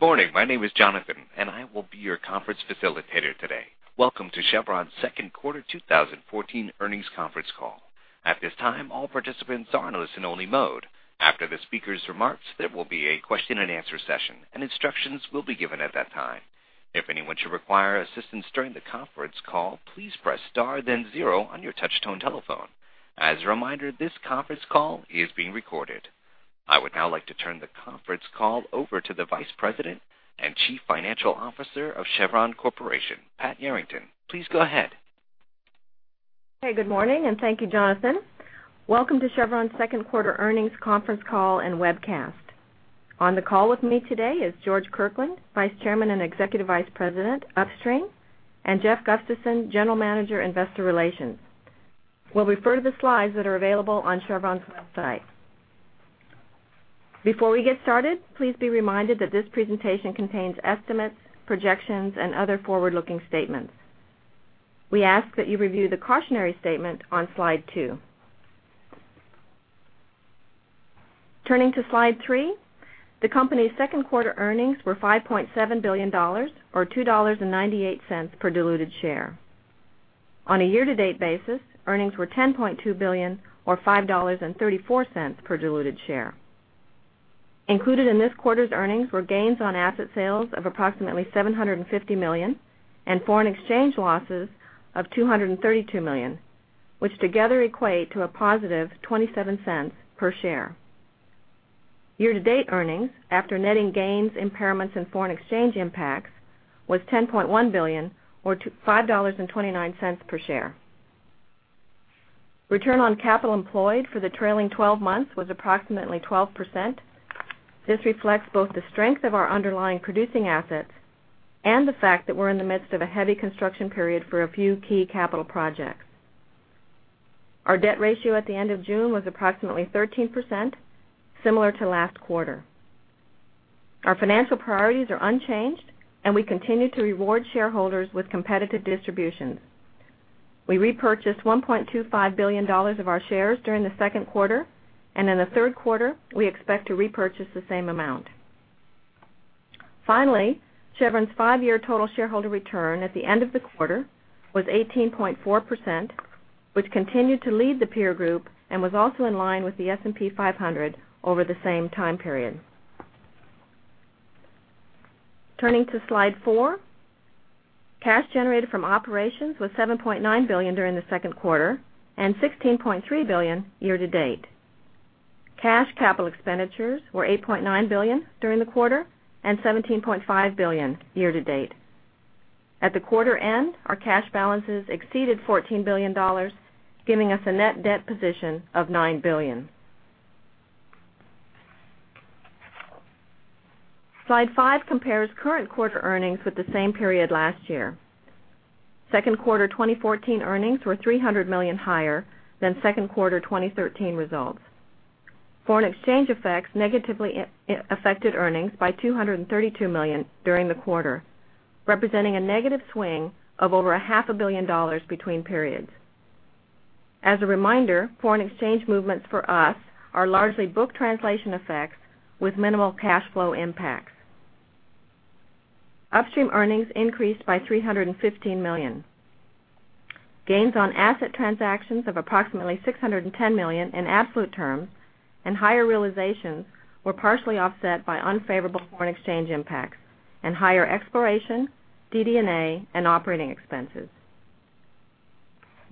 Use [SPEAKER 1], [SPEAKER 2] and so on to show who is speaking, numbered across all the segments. [SPEAKER 1] Good morning. My name is Jonathan, and I will be your conference facilitator today. Welcome to Chevron's second quarter 2014 earnings conference call. At this time, all participants are in listen-only mode. After the speakers' remarks, there will be a question-and-answer session, and instructions will be given at that time. If anyone should require assistance during the conference call, please press star then zero on your touch-tone telephone. As a reminder, this conference call is being recorded. I would now like to turn the conference call over to the Vice President and Chief Financial Officer of Chevron Corporation, Pat Yarrington. Please go ahead.
[SPEAKER 2] Hey, good morning, and thank you, Jonathan. Welcome to Chevron's second quarter earnings conference call and webcast. On the call with me today is George Kirkland, Vice Chairman and Executive Vice President, Upstream, and Jeff Gustavson, General Manager, Investor Relations. We'll refer to the slides that are available on chevron.com. Before we get started, please be reminded that this presentation contains estimates, projections, and other forward-looking statements. We ask that you review the cautionary statement on slide two. Turning to slide three, the company's second quarter earnings were $5.7 billion, or $2.98 per diluted share. On a year-to-date basis, earnings were $10.2 billion, or $5.34 per diluted share. Included in this quarter's earnings were gains on asset sales of approximately $750 million and foreign exchange losses of $232 million, which together equate to a positive $0.27 per share. Year-to-date earnings, after netting gains, impairments, and foreign exchange impacts, was $10.1 billion or $5.29 per share. Return on capital employed for the trailing 12 months was approximately 12%. This reflects both the strength of our underlying producing assets and the fact that we're in the midst of a heavy construction period for a few key capital projects. Our debt ratio at the end of June was approximately 13%, similar to last quarter. Our financial priorities are unchanged, and we continue to reward shareholders with competitive distributions. We repurchased $1.25 billion of our shares during the second quarter, and in the third quarter, we expect to repurchase the same amount. Chevron's five-year total shareholder return at the end of the quarter was 18.4%, which continued to lead the peer group and was also in line with the S&P 500 over the same time period. Turning to slide four, cash generated from operations was $7.9 billion during the second quarter and $16.3 billion year to date. Cash capital expenditures were $8.9 billion during the quarter and $17.5 billion year to date. At the quarter end, our cash balances exceeded $14 billion, giving us a net debt position of $9 billion. Slide five compares current quarter earnings with the same period last year. Second quarter 2014 earnings were $300 million higher than second quarter 2013 results. Foreign exchange effects negatively affected earnings by $232 million during the quarter, representing a negative swing of over a half a billion dollars between periods. As a reminder, foreign exchange movements for us are largely book translation effects with minimal cash flow impacts. Upstream earnings increased by $315 million. Gains on asset transactions of approximately $610 million in absolute terms and higher realizations were partially offset by unfavorable foreign exchange impacts and higher exploration, DD&A, and operating expenses.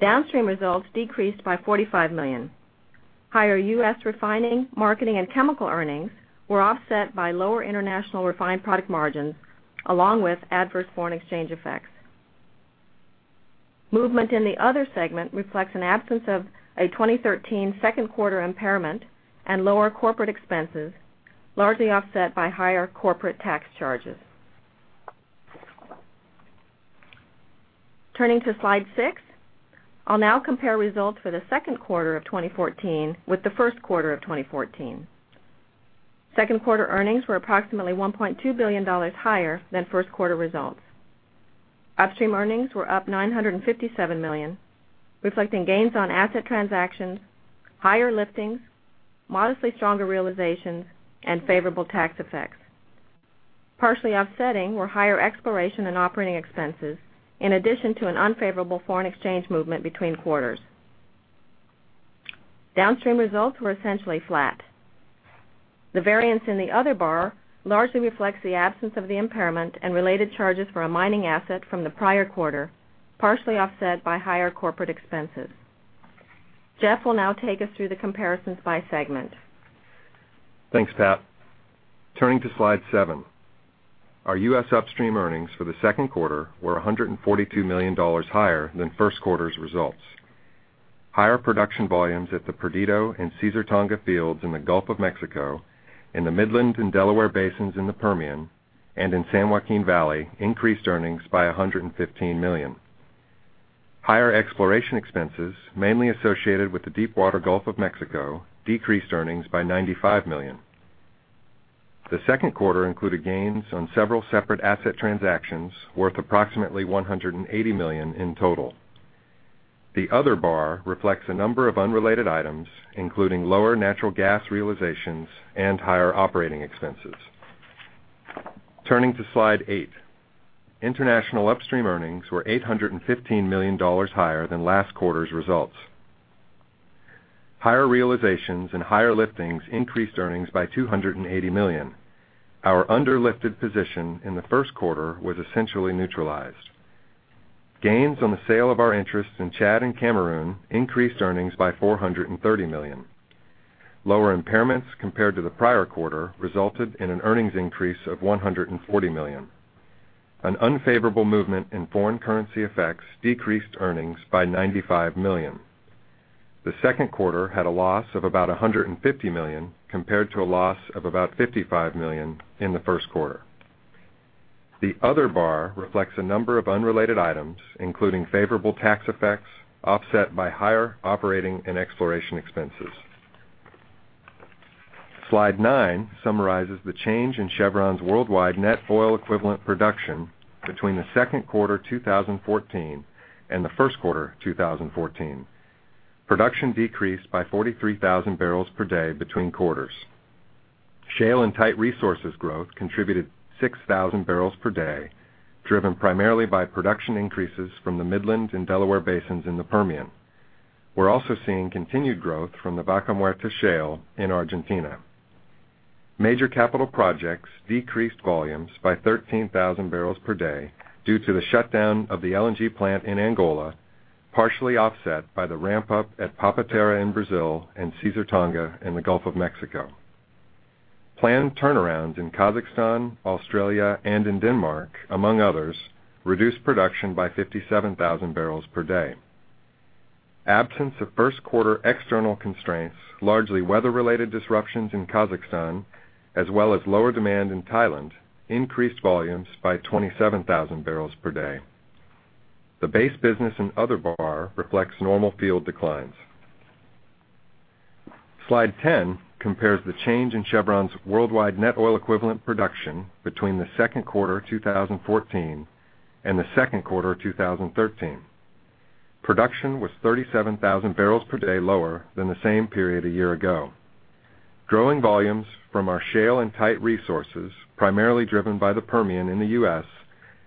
[SPEAKER 2] Downstream results decreased by $45 million. Higher U.S. refining, marketing, and chemical earnings were offset by lower international refined product margins, along with adverse foreign exchange effects. Movement in the other segment reflects an absence of a 2013 second quarter impairment and lower corporate expenses, largely offset by higher corporate tax charges. Turning to slide six, I'll now compare results for the second quarter of 2014 with the first quarter of 2014. Second quarter earnings were approximately $1.2 billion higher than first quarter results. Upstream earnings were up $957 million, reflecting gains on asset transactions, higher liftings, modestly stronger realizations, and favorable tax effects. Partially offsetting were higher exploration and operating expenses, in addition to an unfavorable foreign exchange movement between quarters. Downstream results were essentially flat. The variance in the other bar largely reflects the absence of the impairment and related charges for a mining asset from the prior quarter, partially offset by higher corporate expenses. Jeff will now take us through the comparisons by segment.
[SPEAKER 3] Thanks, Pat. Turning to slide seven, our U.S. upstream earnings for the second quarter were $142 million higher than first quarter's results. Higher production volumes at the Perdido and Caesar Tonga fields in the Gulf of Mexico, in the Midland and Delaware Basins in the Permian, and in San Joaquin Valley increased earnings by $115 million. Higher exploration expenses, mainly associated with the deep water Gulf of Mexico, decreased earnings by $95 million. The second quarter included gains on several separate asset transactions worth approximately $180 million in total. The other bar reflects a number of unrelated items, including lower natural gas realizations and higher operating expenses. Turning to slide eight, international upstream earnings were $815 million higher than last quarter's results. Higher realizations and higher liftings increased earnings by $280 million. Our under-lifted position in the first quarter was essentially neutralized. Gains on the sale of our interests in Chad and Cameroon increased earnings by $430 million. Lower impairments compared to the prior quarter resulted in an earnings increase of $140 million. An unfavorable movement in foreign currency effects decreased earnings by $95 million. The second quarter had a loss of about $150 million compared to a loss of about $55 million in the first quarter. The other bar reflects a number of unrelated items, including favorable tax effects offset by higher operating and exploration expenses. Slide nine summarizes the change in Chevron's worldwide net oil equivalent production between the second quarter 2014 and the first quarter 2014. Production decreased by 43,000 barrels per day between quarters. Shale and tight resources growth contributed 6,000 barrels per day, driven primarily by production increases from the Midland and Delaware Basins in the Permian. We're also seeing continued growth from the Vaca Muerta Shale in Argentina. Major capital projects decreased volumes by 13,000 barrels per day due to the shutdown of the LNG plant in Angola, partially offset by the ramp-up at Papa-Terra in Brazil and Caesar Tonga in the Gulf of Mexico. Planned turnarounds in Kazakhstan, Australia, and in Denmark, among others, reduced production by 57,000 barrels per day. Absence of first quarter external constraints, largely weather-related disruptions in Kazakhstan, as well as lower demand in Thailand, increased volumes by 27,000 barrels per day. The base business and other bar reflects normal field declines. Slide 10 compares the change in Chevron's worldwide net oil equivalent production between the second quarter 2014 and the second quarter 2013. Production was 37,000 barrels per day lower than the same period a year ago. Growing volumes from our shale and tight resources, primarily driven by the Permian in the U.S.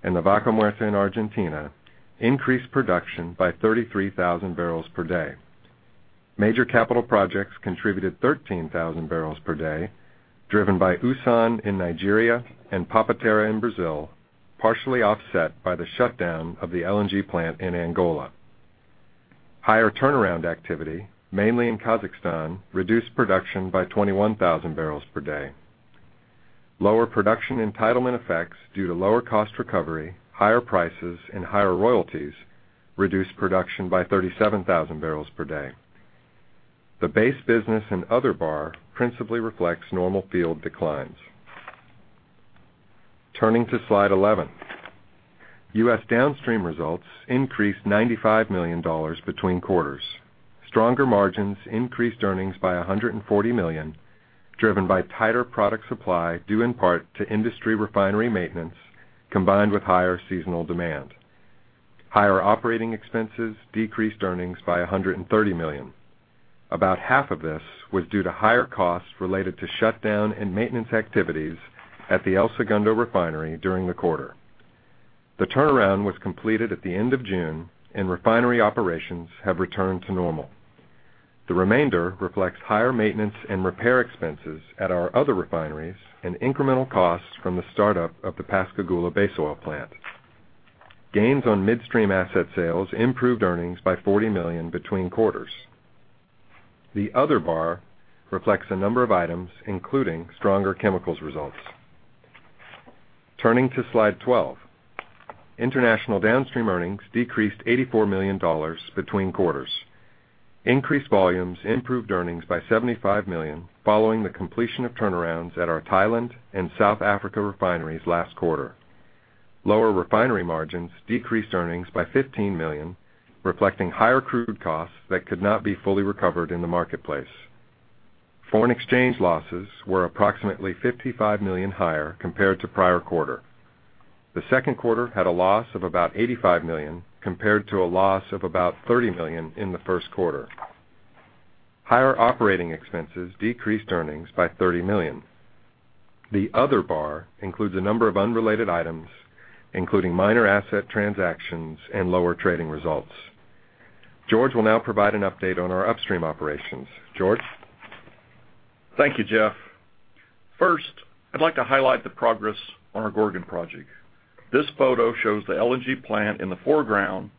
[SPEAKER 3] and the Vaca Muerta in Argentina, increased production by 33,000 barrels per day. Major capital projects contributed 13,000 barrels per day, driven by Usan in Nigeria and Papa-Terra in Brazil, partially offset by the shutdown of the LNG plant in Angola. Higher turnaround activity, mainly in Kazakhstan, reduced production by 21,000 barrels per day. Lower production entitlement effects due to lower cost recovery, higher prices, and higher royalties reduced production by 37,000 barrels per day. The base business and other bar principally reflects normal field declines. Turning to slide 11, U.S. downstream results increased $95 million between quarters. Stronger margins increased earnings by $140 million, driven by tighter product supply due in part to industry refinery maintenance, combined with higher seasonal demand. Higher operating expenses decreased earnings by $130 million. About half of this was due to higher costs related to shutdown and maintenance activities at the El Segundo refinery during the quarter. The turnaround was completed at the end of June, and refinery operations have returned to normal. The remainder reflects higher maintenance and repair expenses at our other refineries and incremental costs from the startup of the Pascagoula Base Oil Plant. Gains on midstream asset sales improved earnings by $40 million between quarters. The other bar reflects a number of items, including stronger chemicals results. Turning to slide 12, international downstream earnings decreased $84 million between quarters. Increased volumes improved earnings by $75 million following the completion of turnarounds at our Thailand and South Africa refineries last quarter. Lower refinery margins decreased earnings by $15 million, reflecting higher crude costs that could not be fully recovered in the marketplace. Foreign exchange losses were approximately $55 million higher compared to the prior quarter. The second quarter had a loss of about $85 million compared to a loss of about $30 million in the first quarter. Higher operating expenses decreased earnings by $30 million. The other bar includes a number of unrelated items, including minor asset transactions and lower trading results. George will now provide an update on our upstream operations. George?
[SPEAKER 4] Thank you, Jeff. First, I'd like to highlight the progress on our Gorgon project. This photo shows the LNG plant in the foreground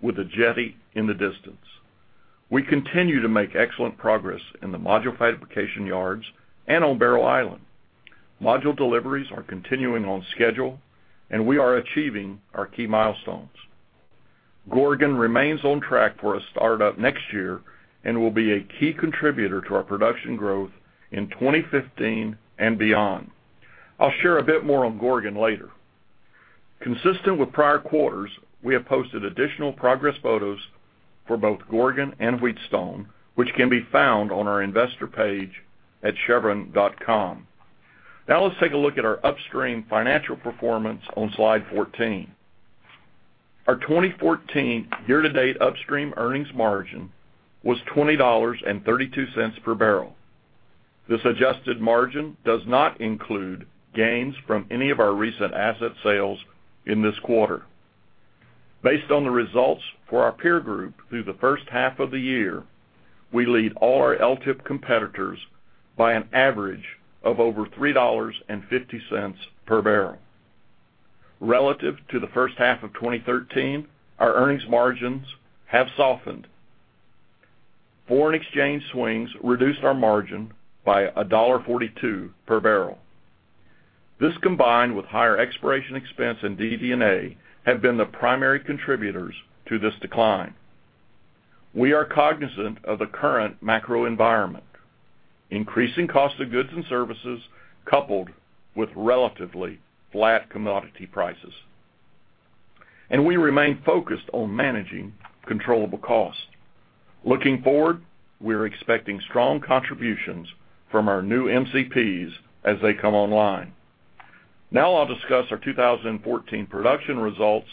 [SPEAKER 4] with the jetty in the distance. We continue to make excellent progress in the module fabrication yards and on Barrow Island. Module deliveries are continuing on schedule, and we are achieving our key milestones. Gorgon remains on track for a startup next year and will be a key contributor to our production growth in 2015 and beyond. I'll share a bit more on Gorgon later. Consistent with prior quarters, we have posted additional progress photos for both Gorgon and Wheatstone, which can be found on our investor page at chevron.com. Now let's take a look at our upstream financial performance on slide 14. Our 2014 year-to-date upstream earnings margin was $20.32 per barrel. This adjusted margin does not include gains from any of our recent asset sales in this quarter. Based on the results for our peer group through the first half of the year, we lead all our LTIP competitors by an average of over $3.50 per barrel. Relative to the first half of 2013, our earnings margins have softened. Foreign exchange swings reduced our margin by $1.42 per barrel. This, combined with higher exploration expense and DD&A, have been the primary contributors to this decline. We are cognizant of the current macro environment, increasing costs of goods and services coupled with relatively flat commodity prices. We remain focused on managing controllable costs. Looking forward, we're expecting strong contributions from our new MCPs as they come online. Now I'll discuss our 2014 production results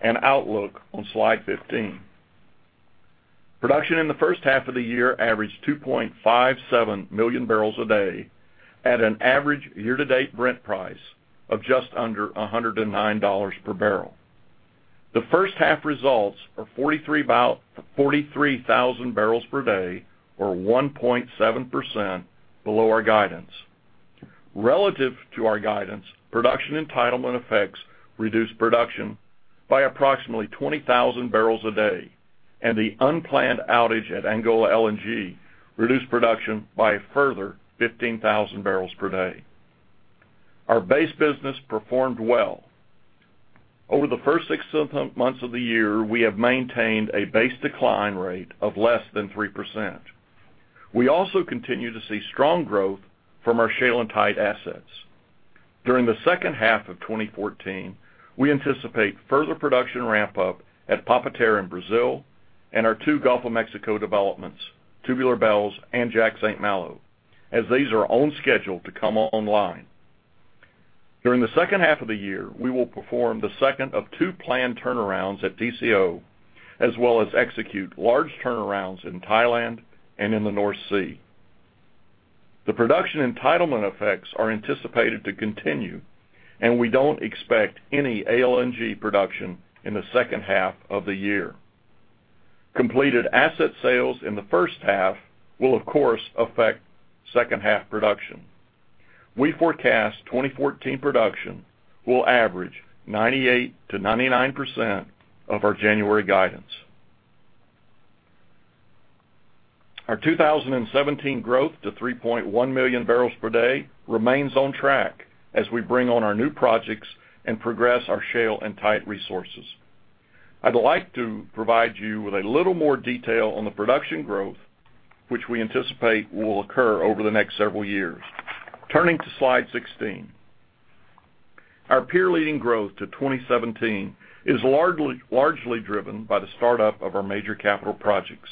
[SPEAKER 4] and outlook on slide 15. Production in the first half of the year averaged 2.57 million barrels a day at an average year-to-date Brent price of just under $109 per barrel. The first half results are 43,000 barrels per day, or 1.7% below our guidance. Relative to our guidance, production entitlement effects reduced production by approximately 20,000 barrels a day, and the unplanned outage at Angola LNG reduced production by a further 15,000 barrels per day. Our base business performed well. Over the first six months of the year, we have maintained a base decline rate of less than 3%. We also continue to see strong growth from our shale and tight assets. During the second half of 2014, we anticipate further production ramp-up at Papa-Terra in Brazil and our two Gulf of Mexico developments, Tubular Bells and Jack/St. Malo, as these are on schedule to come online. During the second half of the year, we will perform the second of two planned turnarounds at TCO, as well as execute large turnarounds in Thailand and in the North Sea. The production entitlement effects are anticipated to continue, and we don't expect any ALNG production in the second half of the year. Completed asset sales in the first half will, of course, affect second half production. We forecast 2014 production will average 98%-99% of our January guidance. Our 2017 growth to 3.1 million barrels per day remains on track as we bring on our new projects and progress our shale and tight resources. I'd like to provide you with a little more detail on the production growth, which we anticipate will occur over the next several years. Turning to slide 16. Our peer-leading growth to 2017 is largely driven by the startup of our major capital projects.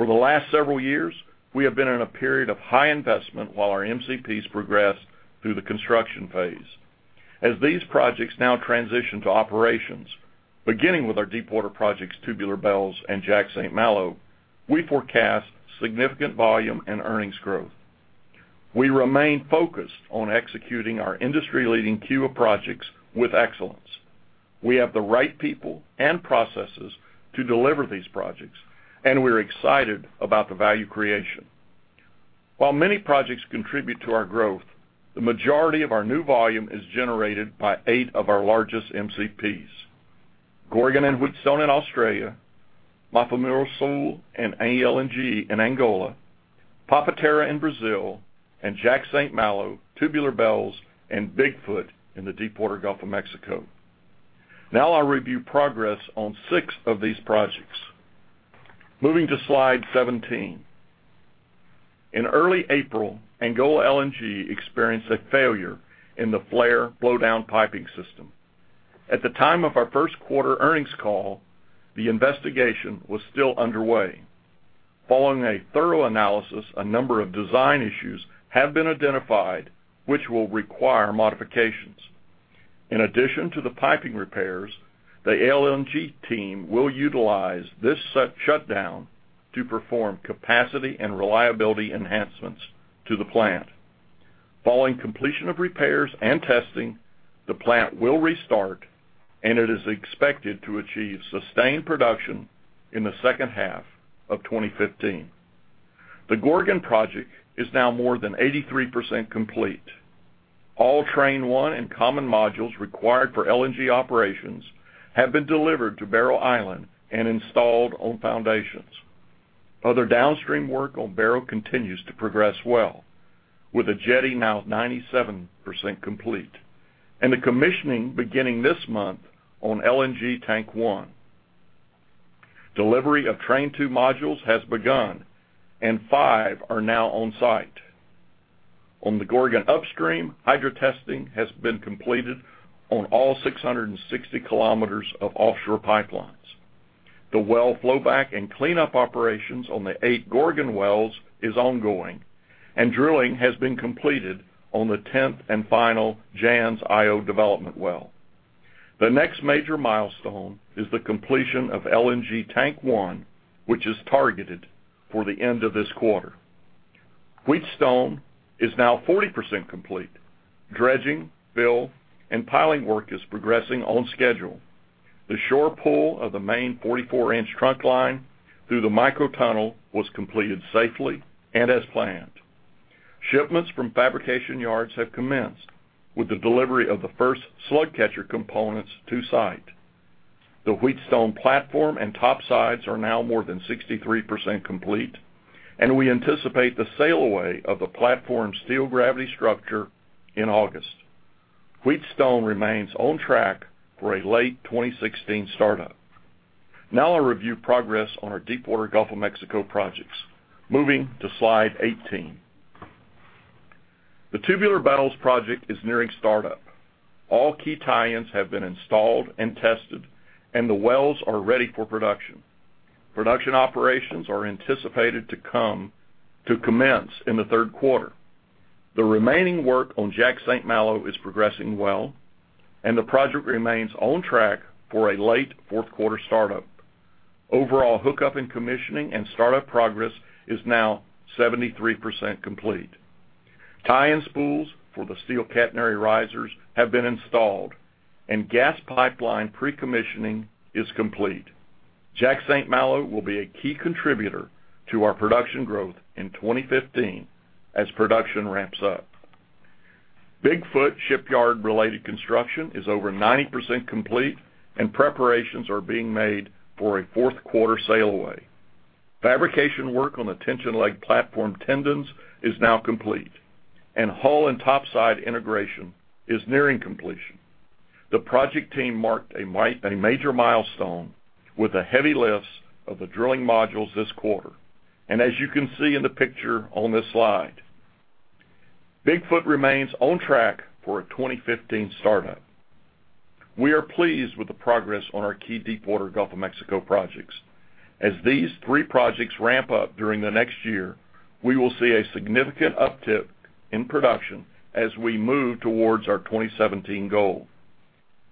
[SPEAKER 4] For the last several years, we have been in a period of high investment while our MCPs progress through the construction phase. As these projects now transition to operations, beginning with our Deepwater projects, Tubular Bells and Jack/St. Malo, we forecast significant volume and earnings growth. We remain focused on executing our industry-leading queue of projects with excellence. We have the right people and processes to deliver these projects, and we're excited about the value creation. While many projects contribute to our growth, the majority of our new volume is generated by eight of our largest MCPs: Gorgon and Wheatstone in Australia, Mafumeira and ALNG in Angola, Papa-Terra in Brazil, and Jack/St. Malo, Tubular Bells, and Big Foot in the Deepwater Gulf of Mexico. Now I'll review progress on six of these projects. Moving to slide 17. In early April, Angola LNG experienced a failure in the flare blowdown piping system. At the time of our first quarter earnings call, the investigation was still underway. Following a thorough analysis, a number of design issues have been identified which will require modifications. In addition to the piping repairs, the LNG team will utilize this shutdown to perform capacity and reliability enhancements to the plant. Following completion of repairs and testing, the plant will restart, and it is expected to achieve sustained production in the second half of 2015. The Gorgon project is now more than 83% complete. All Train 1 and common modules required for LNG operations have been delivered to Barrow Island and installed on foundations. Other downstream work on Barrow continues to progress well, with the jetty now 97% complete, and the commissioning beginning this month on LNG Tank 1. Delivery of Train 2 modules has begun, and five are now on site. On the Gorgon upstream, hydrotesting has been completed on all 660 km of offshore pipelines. The well flow back and cleanup operations on the eight Gorgon wells is ongoing, and drilling has been completed on the 10th and final Jansz-Io development well. The next major milestone is the completion of LNG Tank 1, which is targeted for the end of this quarter. Wheatstone is now 40% complete. Dredging, fill, and piling work is progressing on schedule. The shore pull of the main 44-inch trunk line through the micro tunnel was completed safely and as planned. Shipments from fabrication yards have commenced with the delivery of the first slug catcher components to site. The Wheatstone platform and topsides are now more than 63% complete, and we anticipate the sail away of the platform steel gravity structure in August. Wheatstone remains on track for a late 2016 startup. Now I'll review progress on our Deepwater Gulf of Mexico projects. Moving to slide 18. The Tubular Bells project is nearing startup. All key tie-ins have been installed and tested, and the wells are ready for production. Production operations are anticipated to commence in the third quarter. The remaining work on Jack/St. Malo is progressing well, and the project remains on track for a late fourth quarter startup. Overall hook-up in commissioning and startup progress is now 73% complete. Tie-in spools for the steel catenary risers have been installed, and gas pipeline pre-commissioning is complete. Jack/St. Malo will be a key contributor to our production growth in 2015 as production ramps up. Big Foot shipyard-related construction is over 90% complete, and preparations are being made for a fourth-quarter sail away. Fabrication work on the tension leg platform tendons is now complete, and hull and topside integration is nearing completion. The project team marked a major milestone with the heavy lifts of the drilling modules this quarter, and as you can see in the picture on this slide. Big Foot remains on track for a 2015 startup. We are pleased with the progress on our key deepwater Gulf of Mexico projects. As these three projects ramp up during the next year, we will see a significant uptick in production as we move towards our 2017 goal.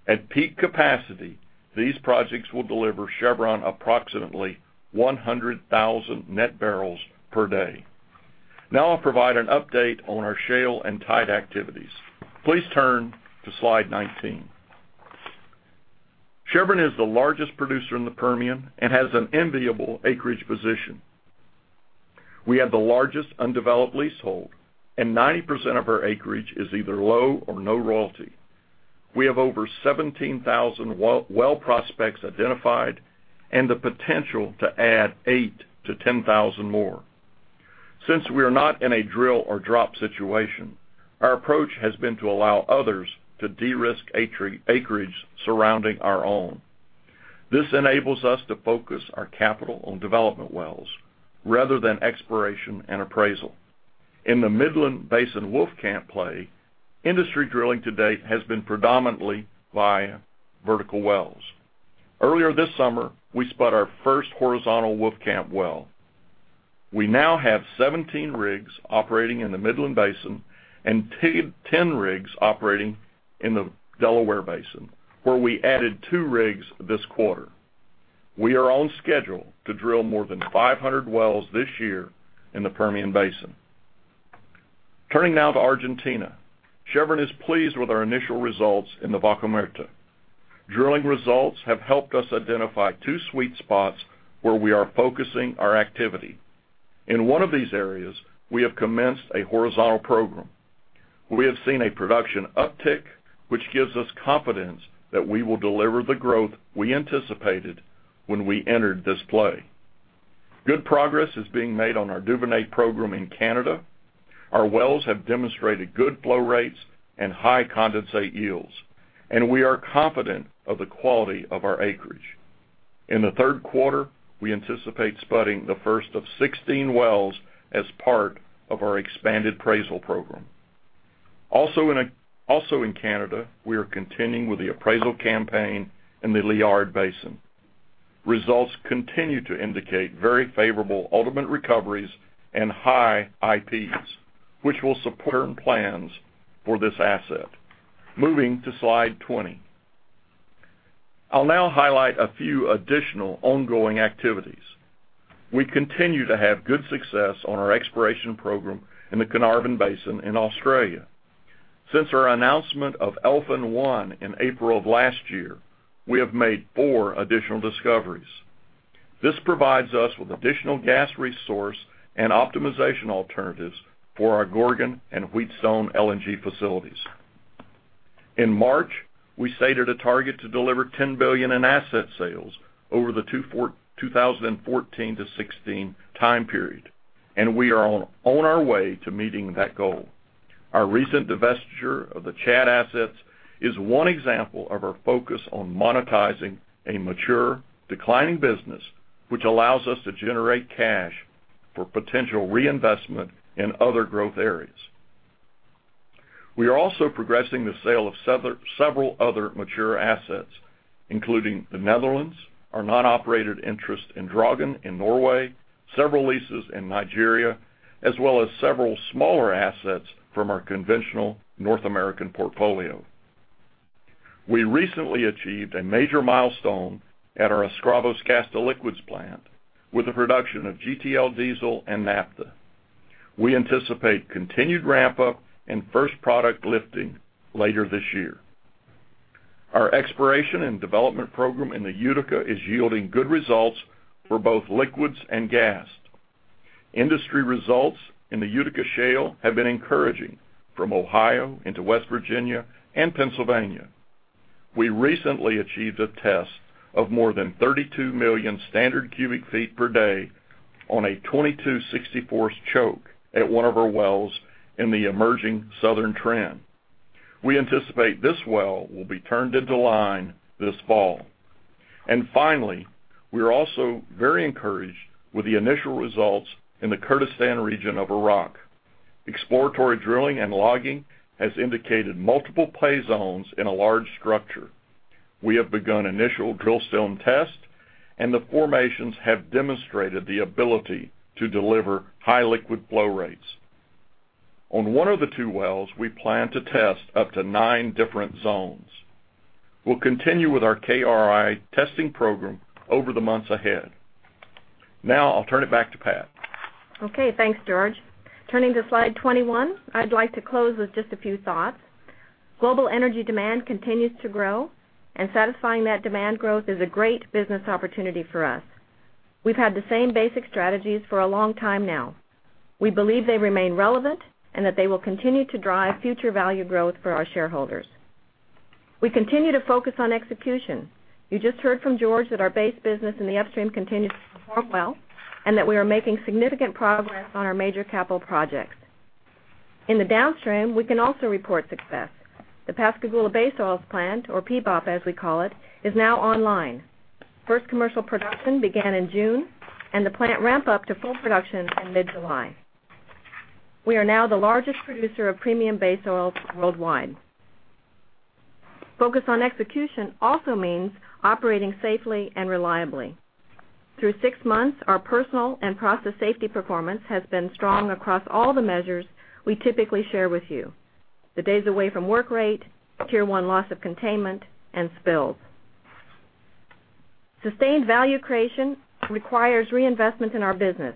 [SPEAKER 4] At peak capacity, these projects will deliver Chevron approximately 100,000 net barrels per day. I'll provide an update on our shale and tight activities. Please turn to slide 19. Chevron is the largest producer in the Permian and has an enviable acreage position. We have the largest undeveloped leasehold, and 90% of our acreage is either low or no royalty. We have over 17,000 well prospects identified and the potential to add 8,000 to 10,000 more. Since we are not in a drill or drop situation, our approach has been to allow others to de-risk acreage surrounding our own. This enables us to focus our capital on development wells rather than exploration and appraisal. In the Midland Basin Wolfcamp play, industry drilling to date has been predominantly via vertical wells. Earlier this summer, we spot our first horizontal Wolfcamp well. We now have 17 rigs operating in the Midland Basin and 10 rigs operating in the Delaware Basin, where we added two rigs this quarter. We are on schedule to drill more than 500 wells this year in the Permian Basin. Turning now to Argentina. Chevron is pleased with our initial results in the Vaca Muerta. Drilling results have helped us identify two sweet spots where we are focusing our activity. In one of these areas, we have commenced a horizontal program. We have seen a production uptick, which gives us confidence that we will deliver the growth we anticipated when we entered this play. Good progress is being made on our Duvernay program in Canada. Our wells have demonstrated good flow rates and high condensate yields, and we are confident of the quality of our acreage. In the third quarter, we anticipate spotting the first of 16 wells as part of our expanded appraisal program. Also in Canada, we are continuing with the appraisal campaign in the Liard Basin. Results continue to indicate very favorable ultimate recoveries and high IPs, which will support plans for this asset. Moving to slide 20. I'll now highlight a few additional ongoing activities. We continue to have good success on our exploration program in the Carnarvon Basin in Australia. Since our announcement of Elfin-1 in April of last year, we have made four additional discoveries. This provides us with additional gas resource and optimization alternatives for our Gorgon and Wheatstone LNG facilities. In March, we stated a target to deliver $10 billion in asset sales over the 2014 to 2016 time period, we are on our way to meeting that goal. Our recent divestiture of the Chad assets is one example of our focus on monetizing a mature, declining business, which allows us to generate cash for potential reinvestment in other growth areas. We are also progressing the sale of several other mature assets, including the Netherlands, our non-operated interest in Draugen in Norway, several leases in Nigeria, as well as several smaller assets from our conventional North American portfolio. We recently achieved a major milestone at our Escravos Gas-to-Liquids plant with the production of GTL diesel and naphtha. We anticipate continued ramp-up and first product lifting later this year. Our exploration and development program in the Utica is yielding good results for both liquids and gas. Industry results in the Utica Shale have been encouraging from Ohio into West Virginia and Pennsylvania. We recently achieved a test of more than 32 million standard cubic feet per day on a 22/64 choke at one of our wells in the emerging southern trend. We anticipate this well will be turned into line this fall. Finally, we are also very encouraged with the initial results in the Kurdistan region of Iraq. Exploratory drilling and logging has indicated multiple pay zones in a large structure. We have begun initial drillstone tests, and the formations have demonstrated the ability to deliver high liquid flow rates. On one of the two wells, we plan to test up to nine different zones. We'll continue with our KRI testing program over the months ahead. Now, I'll turn it back to Pat.
[SPEAKER 2] Okay, thanks, George. Turning to slide 21, I'd like to close with just a few thoughts. Global energy demand continues to grow, and satisfying that demand growth is a great business opportunity for us. We've had the same basic strategies for a long time now. We believe they remain relevant and that they will continue to drive future value growth for our shareholders. We continue to focus on execution. You just heard from George that our base business in the upstream continues to perform well and that we are making significant progress on our major capital projects. In the downstream, we can also report success. The Pascagoula Base Oil Plant, or PBOP, as we call it, is now online. First commercial production began in June, and the plant ramped up to full production in mid-July. We are now the largest producer of premium base oils worldwide. Focus on execution also means operating safely and reliably. Through six months, our personal and process safety performance has been strong across all the measures we typically share with you: the days away from work rate, Tier 1 loss of containment, and spills. Sustained value creation requires reinvestment in our business.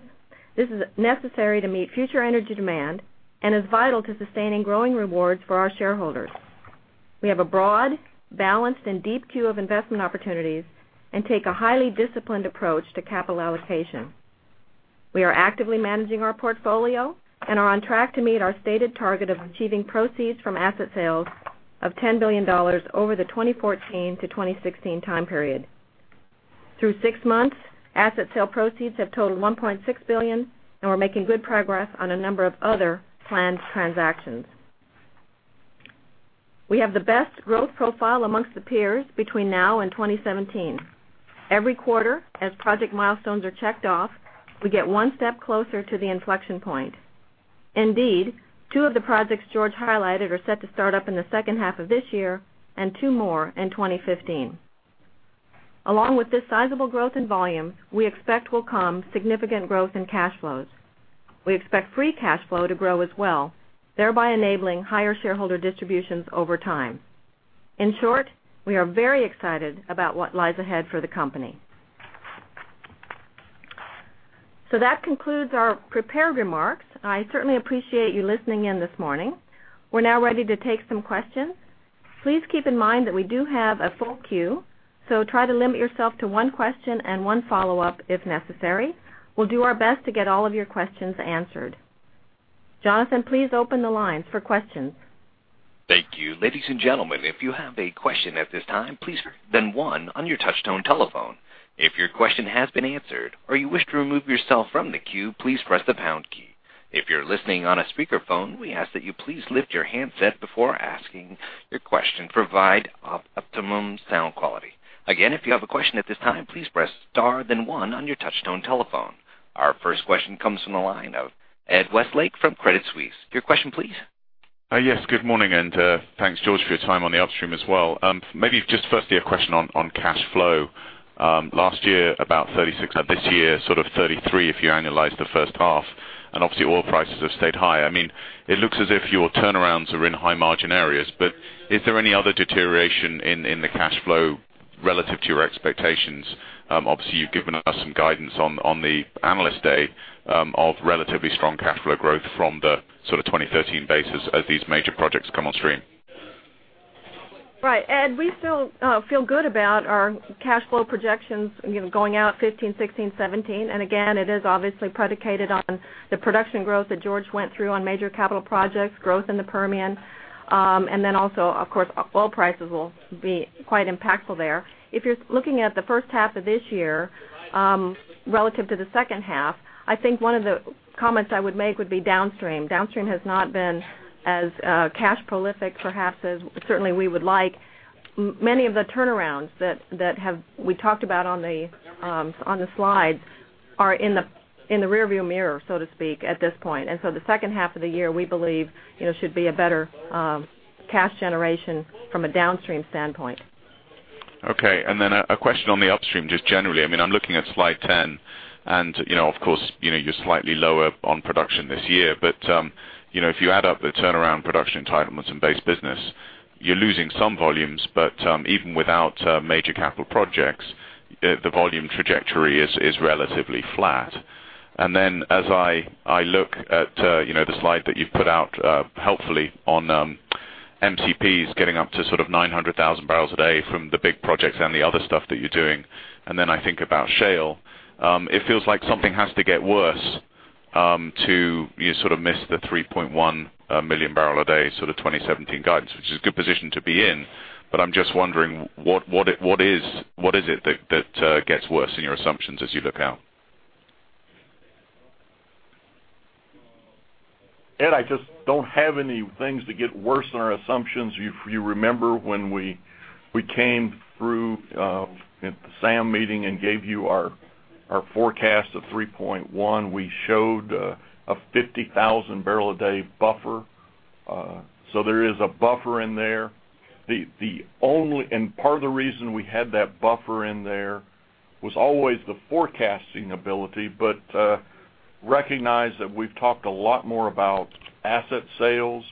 [SPEAKER 2] This is necessary to meet future energy demand and is vital to sustaining growing rewards for our shareholders. We have a broad, balanced, and deep queue of investment opportunities and take a highly disciplined approach to capital allocation. We are actively managing our portfolio and are on track to meet our stated target of achieving proceeds from asset sales of $10 billion over the 2014 to 2016 time period. Through six months, asset sale proceeds have totaled $1.6 billion, and we're making good progress on a number of other planned transactions. We have the best growth profile amongst the peers between now and 2017. Every quarter, as project milestones are checked off, we get one step closer to the inflection point. Indeed, two of the projects George highlighted are set to start up in the second half of this year and two more in 2015. Along with this sizable growth in volume, we expect will come significant growth in cash flows. We expect free cash flow to grow as well, thereby enabling higher shareholder distributions over time. In short, we are very excited about what lies ahead for the company. That concludes our prepared remarks. I certainly appreciate you listening in this morning. We are now ready to take some questions. Please keep in mind that we do have a full queue, so try to limit yourself to one question and one follow-up if necessary. We will do our best to get all of your questions answered. Jonathan, please open the lines for questions.
[SPEAKER 1] Thank you. Ladies and gentlemen, if you have a question at this time, please press star then one on your touch tone telephone. If your question has been answered or you wish to remove yourself from the queue, please press the pound key. If you are listening on a speakerphone, we ask that you please lift your handset before asking your question, to provide optimum sound quality. Again, if you have a question at this time, please press star then one on your touch tone telephone. Our first question comes from the line of Ed Westlake from Credit Suisse. Your question, please.
[SPEAKER 5] Yes, good morning, thanks, George, for your time on the upstream as well. Maybe just firstly a question on cash flow. Last year, about $36, now this year, sort of $33, if you annualize the first half, and obviously oil prices have stayed high. It looks as if your turnarounds are in high margin areas, but is there any other deterioration in the cash flow relative to your expectations? Obviously, you have given us some guidance on the Analyst Day of relatively strong cash flow growth from the 2013 basis as these major projects come on stream.
[SPEAKER 2] Right. Ed Westlake, we still feel good about our cash flow projections going out 2015, 2016, 2017. Again, it is obviously predicated on the production growth that George Kirkland went through on major capital projects, growth in the Permian. Also, of course, oil prices will be quite impactful there. If you're looking at the first half of this year relative to the second half, I think one of the comments I would make would be downstream. Downstream has not been as cash prolific perhaps as certainly we would like. Many of the turnarounds that we talked about on the slides are in the rearview mirror, so to speak, at this point. So the second half of the year, we believe, should be a better cash generation from a downstream standpoint.
[SPEAKER 5] Okay. Then a question on the upstream, just generally. I'm looking at slide 10. Of course, you're slightly lower on production this year. If you add up the turnaround production entitlements and base business, you're losing some volumes. Even without major capital projects, the volume trajectory is relatively flat. As I look at the slide that you've put out helpfully on MTPs getting up to 900,000 barrels a day from the big projects and the other stuff that you're doing, then I think about shale, it feels like something has to get worse to miss the 3.1 million barrel a day 2017 guidance. Which is a good position to be in, I'm just wondering, what is it that gets worse in your assumptions as you look out?
[SPEAKER 4] Ed Westlake, I just don't have any things to get worse in our assumptions. If you remember when we came through at the SAM meeting and gave you our forecast of 3.1, we showed a 50,000 barrel a day buffer. There is a buffer in there. Part of the reason we had that buffer in there was always the forecasting ability. Recognize that we've talked a lot more about asset sales.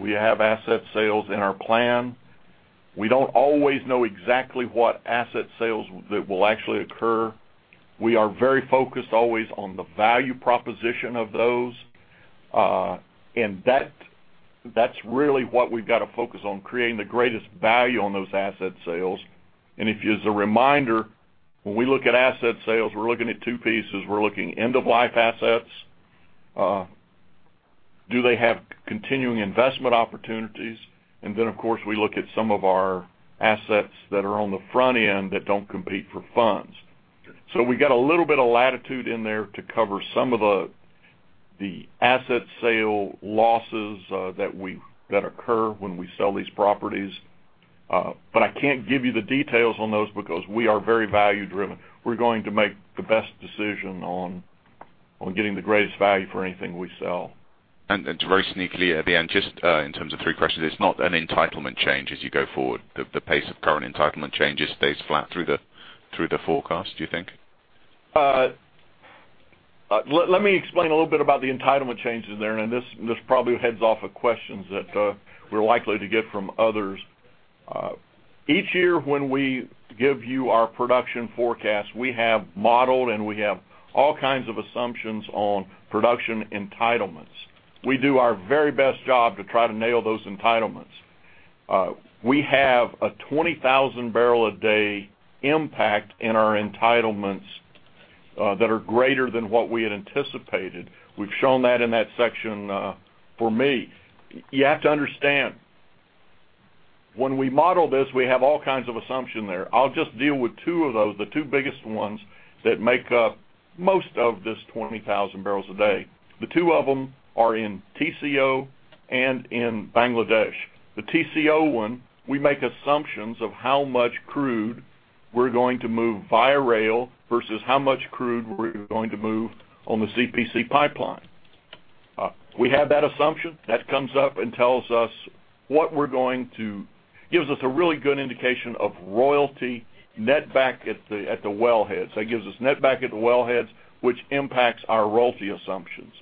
[SPEAKER 4] We have asset sales in our plan. We don't always know exactly what asset sales that will actually occur. We are very focused always on the value proposition of those. That's really what we've got to focus on, creating the greatest value on those asset sales. As a reminder, when we look at asset sales, we're looking at two pieces. We're looking end-of-life assets. Do they have continuing investment opportunities? Of course, we look at some of our assets that are on the front end that don't compete for funds. We got a little bit of latitude in there to cover some of the asset sale losses that occur when we sell these properties. I can't give you the details on those because we are very value driven. We're going to make the best decision on getting the greatest value for anything we sell.
[SPEAKER 5] To very sneakily at the end, just in terms of three questions, it's not an entitlement change as you go forward? The pace of current entitlement changes stays flat through the forecast, do you think?
[SPEAKER 4] Let me explain a little bit about the entitlement changes there, and this probably heads off of questions that we're likely to get from others. Each year when we give you our production forecast, we have modeled, and we have all kinds of assumptions on production entitlements. We do our very best job to try to nail those entitlements. We have a 20,000 barrel a day impact in our entitlements that are greater than what we had anticipated. We've shown that in that section for me. You have to understand, when we model this, we have all kinds of assumption there. I'll just deal with two of those, the two biggest ones that make up most of this 20,000 barrels a day. The two of them are in Tengizchevroil and in Bangladesh. The Tengizchevroil one, we make assumptions of how much crude we're going to move via rail versus how much crude we're going to move on the CPC pipeline. We have that assumption, that comes up and gives us a really good indication of royalty net back at the wellheads. That gives us net back at the wellheads, which impacts our royalty assumptions.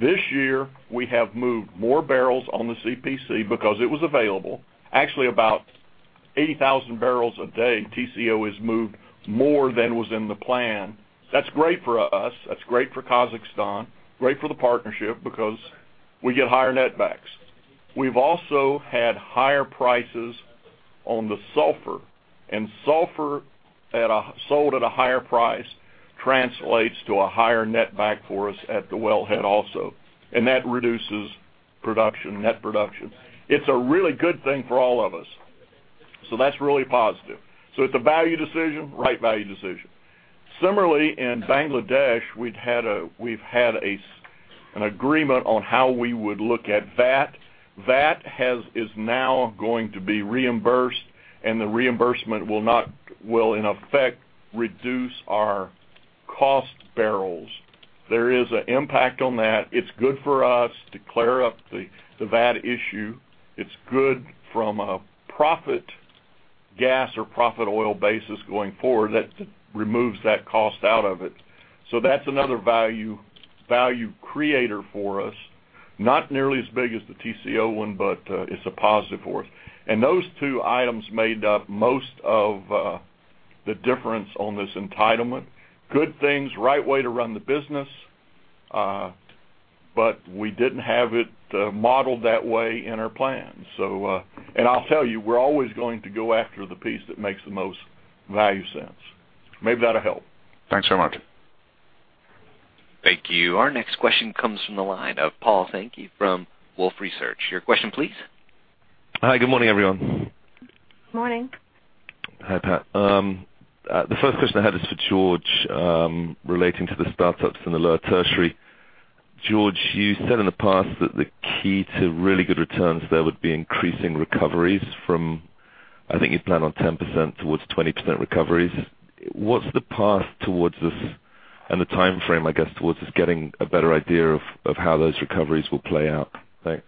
[SPEAKER 4] This year, we have moved more barrels on the CPC because it was available. Actually, about 80,000 barrels a day, Tengizchevroil has moved more than was in the plan. That's great for us, that's great for Kazakhstan, great for the partnership because we get higher net backs. We've also had higher prices on the sulfur, and sulfur sold at a higher price translates to a higher net back for us at the wellhead also, and that reduces net production. It's a really good thing for all of us. That's really positive. It's a value decision, right value decision. Similarly, in Bangladesh, we've had an agreement on how we would look at VAT. VAT is now going to be reimbursed, and the reimbursement will, in effect, reduce our cost barrels. There is an impact on that. It's good for us to clear up the VAT issue. It's good from a profit gas or profit oil basis going forward. That removes that cost out of it. That's another value creator for us. Not nearly as big as the Tengizchevroil one, but it's a positive for us. Those two items made up most of the difference on this entitlement. Good things, right way to run the business, but we didn't have it modeled that way in our plan. I'll tell you, we're always going to go after the piece that makes the most value sense. Maybe that'll help.
[SPEAKER 5] Thanks so much.
[SPEAKER 1] Thank you. Our next question comes from the line of Paul Sankey from Wolfe Research. Your question, please?
[SPEAKER 6] Hi. Good morning, everyone.
[SPEAKER 2] Morning
[SPEAKER 6] Hi, Pat. The first question I had is for George, relating to the startups in the Lower Tertiary. George, you said in the past that the key to really good returns there would be increasing recoveries from, I think you planned on 10% towards 20% recoveries. What's the path towards this and the timeframe, I guess, towards this getting a better idea of how those recoveries will play out? Thanks.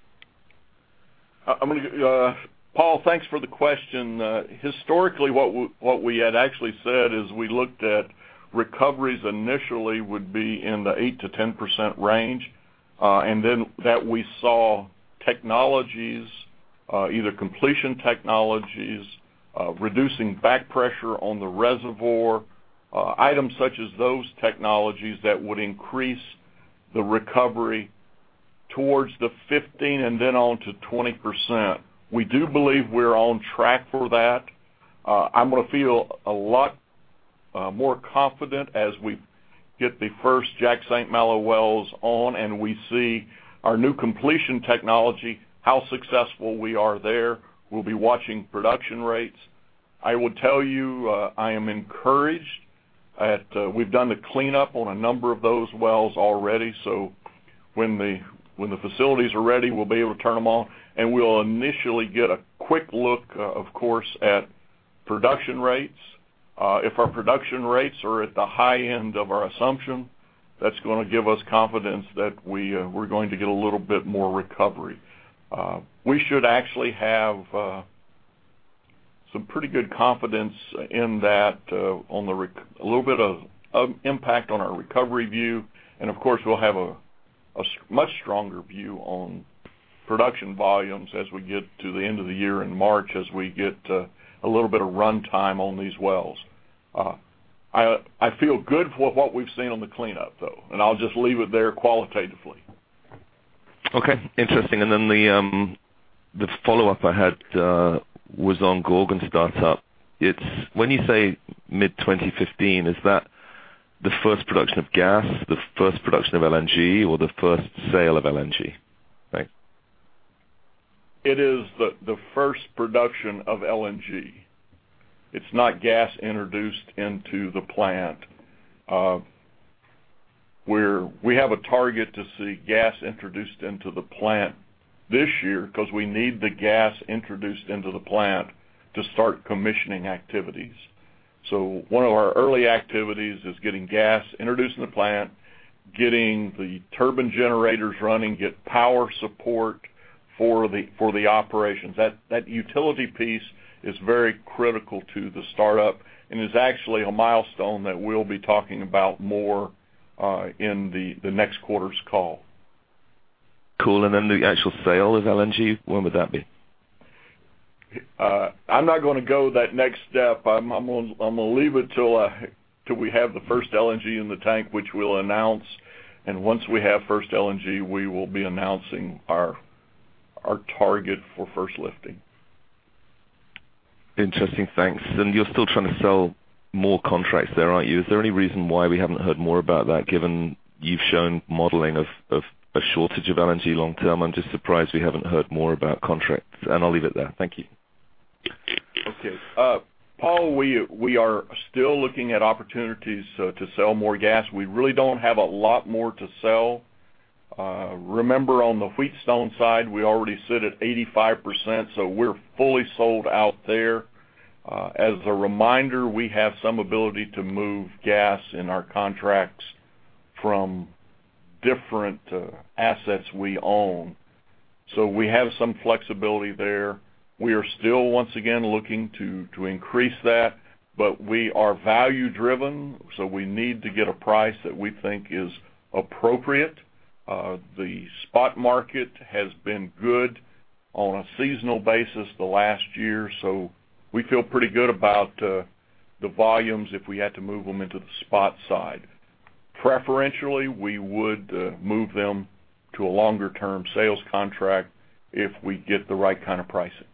[SPEAKER 4] Paul, thanks for the question. Historically, what we had actually said is we looked at recoveries initially would be in the 8%-10% range. That we saw technologies, either completion technologies, reducing back pressure on the reservoir, items such as those technologies that would increase the recovery towards the 15% and then on to 20%. We do believe we're on track for that. I'm going to feel a lot more confident as we get the first Jack/St. Malo wells on, and we see our new completion technology, how successful we are there. We'll be watching production rates. I would tell you, I am encouraged at. We've done the cleanup on a number of those wells already, so when the facilities are ready, we'll be able to turn them on, and we'll initially get a quick look, of course, at production rates. If our production rates are at the high end of our assumption, that's going to give us confidence that we're going to get a little bit more recovery. We should actually have some pretty good confidence in that, a little bit of impact on our recovery view. Of course, we'll have a much stronger view on production volumes as we get to the end of the year in March, as we get a little bit of runtime on these wells. I feel good for what we've seen on the cleanup, though. I'll just leave it there qualitatively.
[SPEAKER 6] Okay. Interesting. The follow-up I had was on Gorgon startup. When you say mid-2015, is that the first production of gas, the first production of LNG, or the first sale of LNG? Thanks.
[SPEAKER 4] It is the first production of LNG. It's not gas introduced into the plant. We have a target to see gas introduced into the plant this year because we need the gas introduced into the plant to start commissioning activities. One of our early activities is getting gas introduced in the plant, getting the turbine generators running, get power support for the operations. That utility piece is very critical to the startup and is actually a milestone that we'll be talking about more in the next quarter's call.
[SPEAKER 6] Cool. Then the actual sale of LNG, when would that be?
[SPEAKER 4] I'm not going to go that next step. I'm going to leave it till we have the first LNG in the tank, which we'll announce. Once we have first LNG, we will be announcing our target for first lifting.
[SPEAKER 6] Interesting. Thanks. You're still trying to sell more contracts there, aren't you? Is there any reason why we haven't heard more about that, given you've shown modeling of a shortage of LNG long term? I'm just surprised we haven't heard more about contracts, and I'll leave it there. Thank you.
[SPEAKER 4] Okay. Paul, we are still looking at opportunities to sell more gas. We really don't have a lot more to sell. Remember, on the Wheatstone side, we already sit at 85%, so we're fully sold out there. As a reminder, we have some ability to move gas in our contracts from different assets we own. We have some flexibility there. We are still, once again, looking to increase that, but we are value driven, so we need to get a price that we think is appropriate. The spot market has been good on a seasonal basis the last year, so we feel pretty good about the volumes if we had to move them into the spot side. Preferentially, we would move them to a longer-term sales contract if we get the right kind of pricing.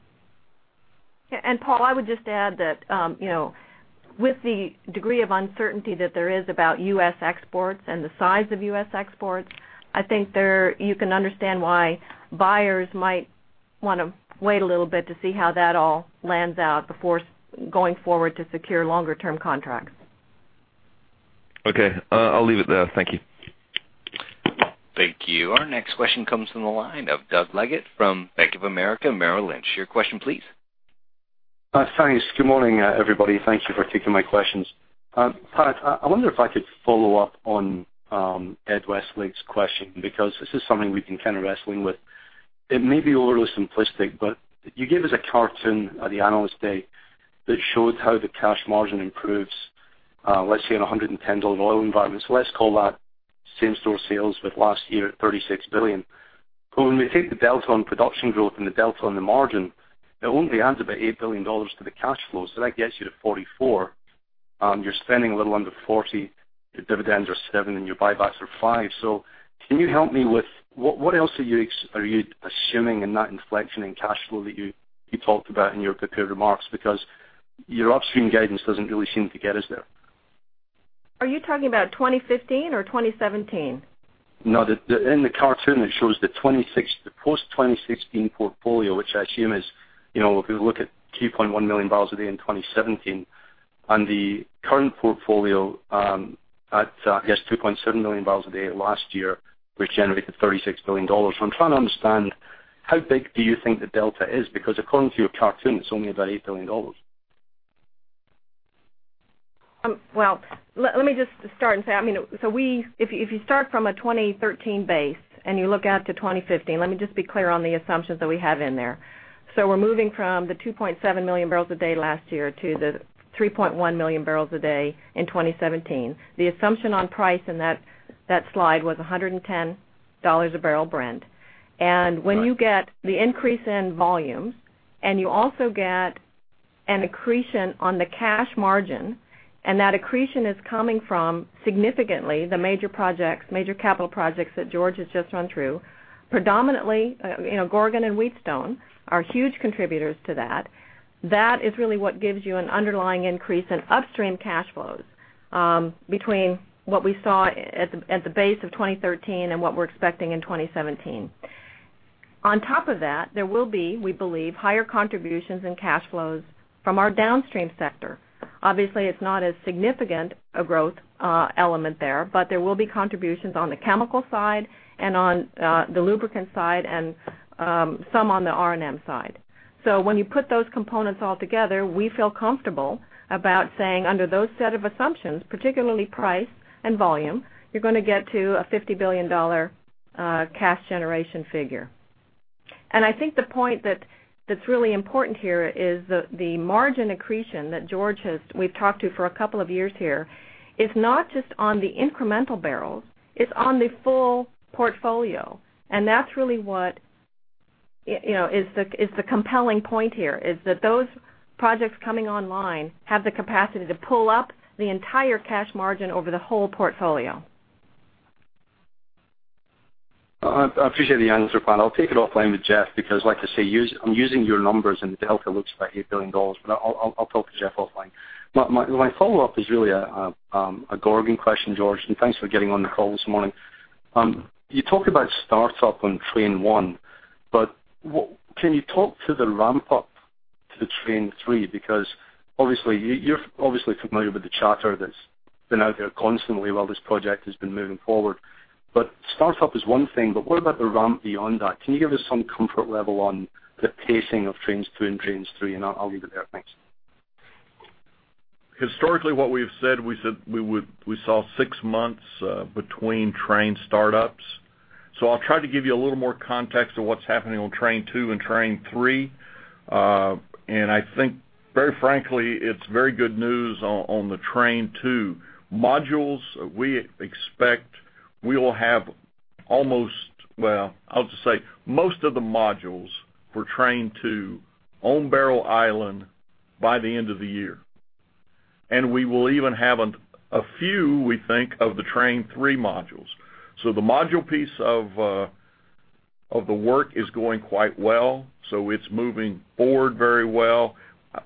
[SPEAKER 2] Paul, I would just add that with the degree of uncertainty that there is about U.S. exports and the size of U.S. exports, I think you can understand why buyers might want to wait a little bit to see how that all lands out before going forward to secure longer term contracts.
[SPEAKER 6] Okay. I'll leave it there. Thank you.
[SPEAKER 1] Thank you. Our next question comes from the line of Douglas Leggate from Bank of America Merrill Lynch. Your question please.
[SPEAKER 7] Thanks. Good morning, everybody. Thank you for taking my questions. Pat, I wonder if I could follow up on Ed Westlake's question. This is something we've been kind of wrestling with. It may be overly simplistic. You gave us a cartoon at the Analyst Day that showed how the cash margin improves, let's say, in $110 oil environments. Let's call that same store sales with last year at $36 billion. When we take the delta on production growth and the delta on the margin, it only adds about $8 billion to the cash flow. That gets you to $44 billion, and you're spending a little under $40 billion, your dividends are $7 billion, and your buybacks are $5 billion. Can you help me with what else are you assuming in that inflection in cash flow that you talked about in your prepared remarks? Your upstream guidance doesn't really seem to get us there.
[SPEAKER 2] Are you talking about 2015 or 2017?
[SPEAKER 7] No, in the cartoon, it shows the post 2016 portfolio, which I assume is, if we look at 2.1 million barrels a day in 2017 and the current portfolio at, I guess, 2.7 million barrels a day last year, which generated $36 billion. I'm trying to understand how big do you think the delta is? According to your cartoon, it's only about $8 billion.
[SPEAKER 2] Let me just start and say, if you start from a 2013 base and you look out to 2015, let me just be clear on the assumptions that we have in there. We're moving from the 2.7 million barrels a day last year to the 3.1 million barrels a day in 2017. The assumption on price in that slide was $110 a barrel Brent.
[SPEAKER 7] Right.
[SPEAKER 2] When you get the increase in volume and you also get an accretion on the cash margin, and that accretion is coming from, significantly, the major capital projects that George has just run through, predominantly Gorgon and Wheatstone are huge contributors to that. That is really what gives you an underlying increase in upstream cash flows between what we saw at the base of 2013 and what we're expecting in 2017. On top of that, there will be, we believe, higher contributions and cash flows from our downstream sector. Obviously, it's not as significant a growth element there, but there will be contributions on the chemical side and on the lubricant side and some on the R&M side. When you put those components all together, we feel comfortable about saying under those set of assumptions, particularly price and volume, you're going to get to a $50 billion cash generation figure. I think the point that's really important here is the margin accretion that George we've talked to for a couple of years here, is not just on the incremental barrels, it's on the full portfolio. That's really what is the compelling point here, is that those projects coming online have the capacity to pull up the entire cash margin over the whole portfolio.
[SPEAKER 7] I appreciate the answer, Patty. I'll take it offline with Jeff because like I say, I'm using your numbers, and the delta looks about $8 billion. I'll talk to Jeff offline. My follow-up is really a Gorgon question, George, and thanks for getting on the call this morning. You talk about start-up on train 1, but can you talk to the ramp-up to train 3? You're obviously familiar with the chatter that's been out there constantly while this project has been moving forward. Start-up is one thing, but what about the ramp beyond that? Can you give us some comfort level on the pacing of trains 2 and trains 3, and I'll leave it there. Thanks.
[SPEAKER 4] Historically, what we've said, we said we saw six months between train start-ups. I'll try to give you a little more context of what's happening on train two and train three. I think, very frankly, it's very good news on the train two modules. We expect we will have almost, well, I'll just say, most of the modules for train two on Barrow Island by the end of the year. We will even have a few, we think, of the train three modules. The module piece of the work is going quite well. It's moving forward very well.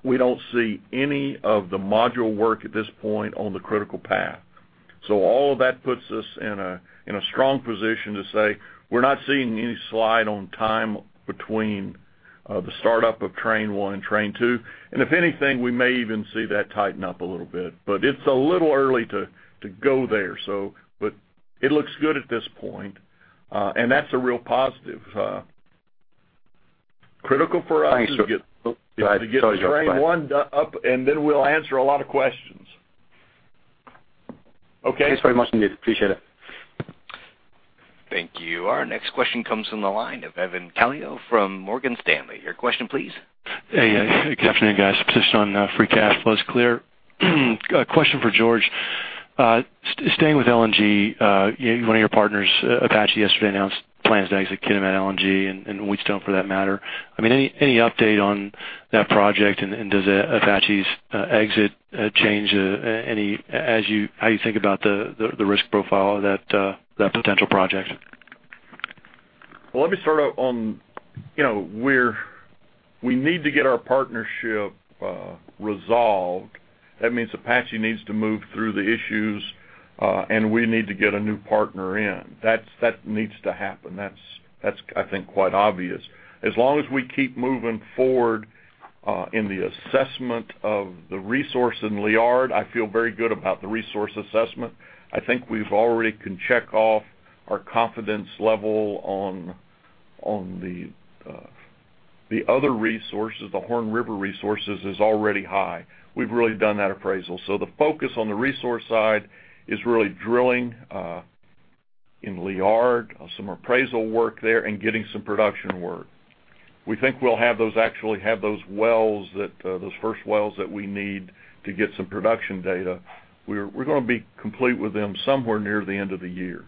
[SPEAKER 4] We don't see any of the module work at this point on the critical path. All of that puts us in a strong position to say we're not seeing any slide on time between the start-up of train one and train two. If anything, we may even see that tighten up a little bit, but it's a little early to go there. It looks good at this point, and that's a real positive. Critical for us-
[SPEAKER 7] Thanks. Sorry, George
[SPEAKER 4] to get train one up, and then we'll answer a lot of questions. Okay?
[SPEAKER 7] Thanks very much indeed. Appreciate it.
[SPEAKER 1] Thank you. Our next question comes from the line of Evan Calio from Morgan Stanley. Your question, please.
[SPEAKER 8] Hey. Good afternoon, guys. Just on free cash flows clear. A question for George. Staying with LNG, one of your partners, Apache, yesterday announced plans to exit Kitimat LNG and Wheatstone for that matter. Does Apache's exit change how you think about the risk profile of that potential project?
[SPEAKER 4] Well, let me start out on we need to get our partnership resolved. That means Apache needs to move through the issues, and we need to get a new partner in. That needs to happen. That's, I think, quite obvious. As long as we keep moving forward in the assessment of the resource in Liard, I feel very good about the resource assessment. I think we've already can check off our confidence level on the other resources. The Horn River resources is already high. We've really done that appraisal. The focus on the resource side is really drilling in Liard, some appraisal work there, and getting some production work. We think we'll actually have those first wells that we need to get some production data. We're going to be complete with them somewhere near the end of the year.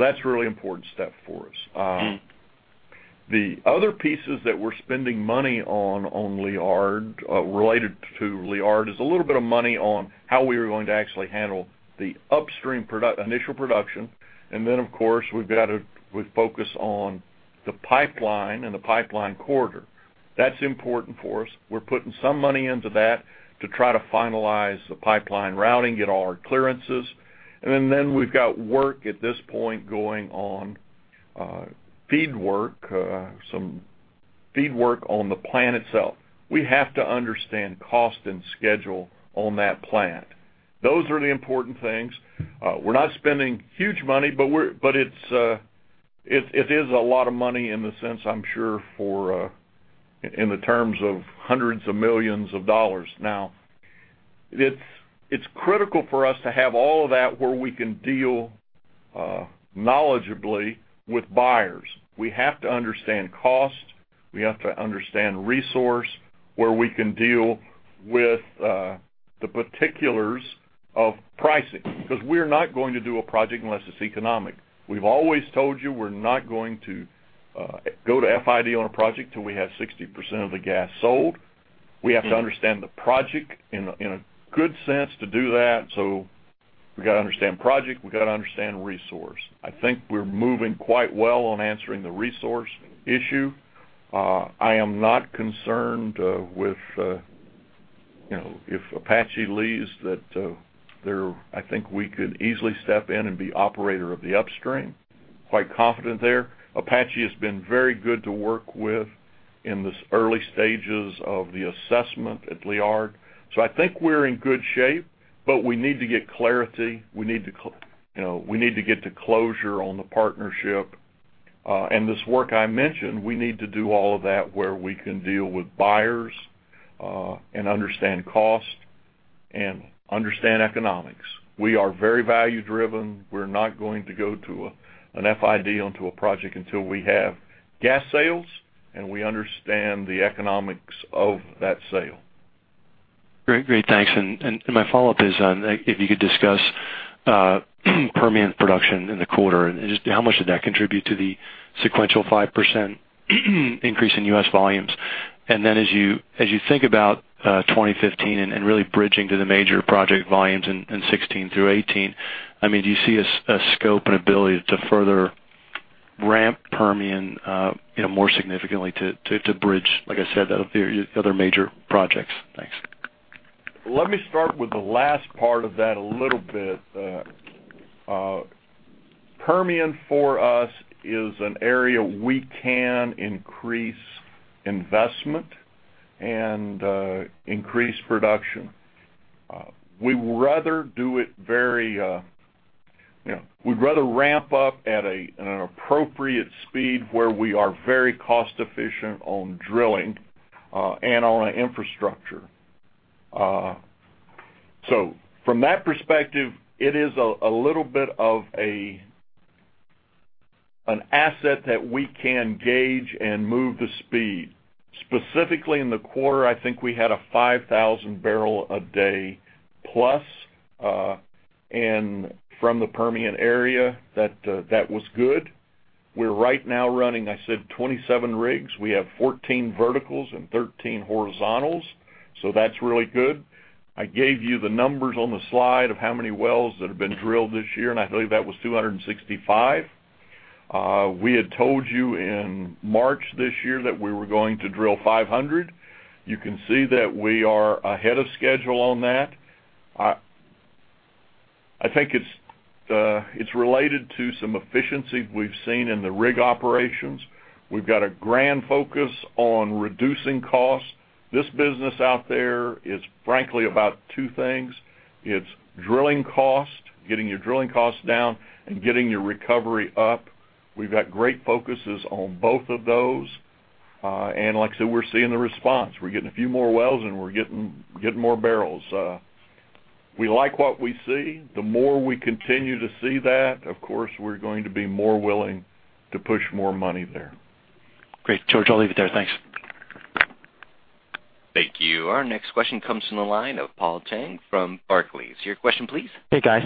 [SPEAKER 4] That's a really important step for us. The other pieces that we're spending money on Liard, related to Liard, is a little bit of money on how we are going to actually handle the upstream initial production. Of course, we've got to focus on the pipeline and the pipeline corridor. That's important for us. We're putting some money into that to try to finalize the pipeline routing, get all our clearances. We've got work at this point going on feed work, some feed work on the plant itself. We have to understand cost and schedule on that plant. Those are the important things. We're not spending huge money, but it is a lot of money in the sense, I'm sure, in the terms of hundreds of millions of dollars now. It's critical for us to have all of that where we can deal knowledgeably with buyers. We have to understand cost, we have to understand resource, where we can deal with the particulars of pricing, because we're not going to do a project unless it's economic. We've always told you we're not going to go to FID on a project till we have 60% of the gas sold. We have to understand the project in a good sense to do that. We got to understand project, we got to understand resource. I think we're moving quite well on answering the resource issue. I am not concerned with if Apache leaves that, I think we could easily step in and be operator of the upstream. Quite confident there. Apache has been very good to work with in this early stages of the assessment at Liard. I think we're in good shape, but we need to get clarity. We need to get to closure on the partnership. This work I mentioned, we need to do all of that where we can deal with buyers and understand cost and understand economics. We are very value driven. We're not going to go to an FID onto a project until we have gas sales, and we understand the economics of that sale.
[SPEAKER 8] Great. Thanks. My follow-up is on if you could discuss Permian production in the quarter, and just how much did that contribute to the sequential 5% increase in U.S. volumes? Then as you think about 2015 and really bridging to the major project volumes in 2016 through 2018, do you see a scope and ability to further ramp Permian more significantly to bridge, like I said, the other major projects? Thanks.
[SPEAKER 4] Let me start with the last part of that a little bit. Permian for us is an area we can increase investment and increase production. We'd rather ramp up at an appropriate speed where we are very cost efficient on drilling and on infrastructure. From that perspective, it is a little bit of an asset that we can gauge and move to speed. Specifically in the quarter, I think we had a 5,000 barrel a day plus, and from the Permian area, that was good. We're right now running, I said 27 rigs. We have 14 verticals and 13 horizontals, so that's really good. I gave you the numbers on the slide of how many wells that have been drilled this year. I believe that was 265. We had told you in March this year that we were going to drill 500. You can see that we are ahead of schedule on that. I think it's related to some efficiency we've seen in the rig operations. We've got a grand focus on reducing costs. This business out there is frankly about two things. It's drilling cost, getting your drilling costs down and getting your recovery up. We've got great focuses on both of those. Like I said, we're seeing the response. We're getting a few more wells and we're getting more barrels. We like what we see. The more we continue to see that, of course, we're going to be more willing to push more money there.
[SPEAKER 8] Great, George. I'll leave it there. Thanks.
[SPEAKER 1] Thank you. Our next question comes from the line of Paul Cheng from Barclays. Your question, please.
[SPEAKER 9] Hey, guys.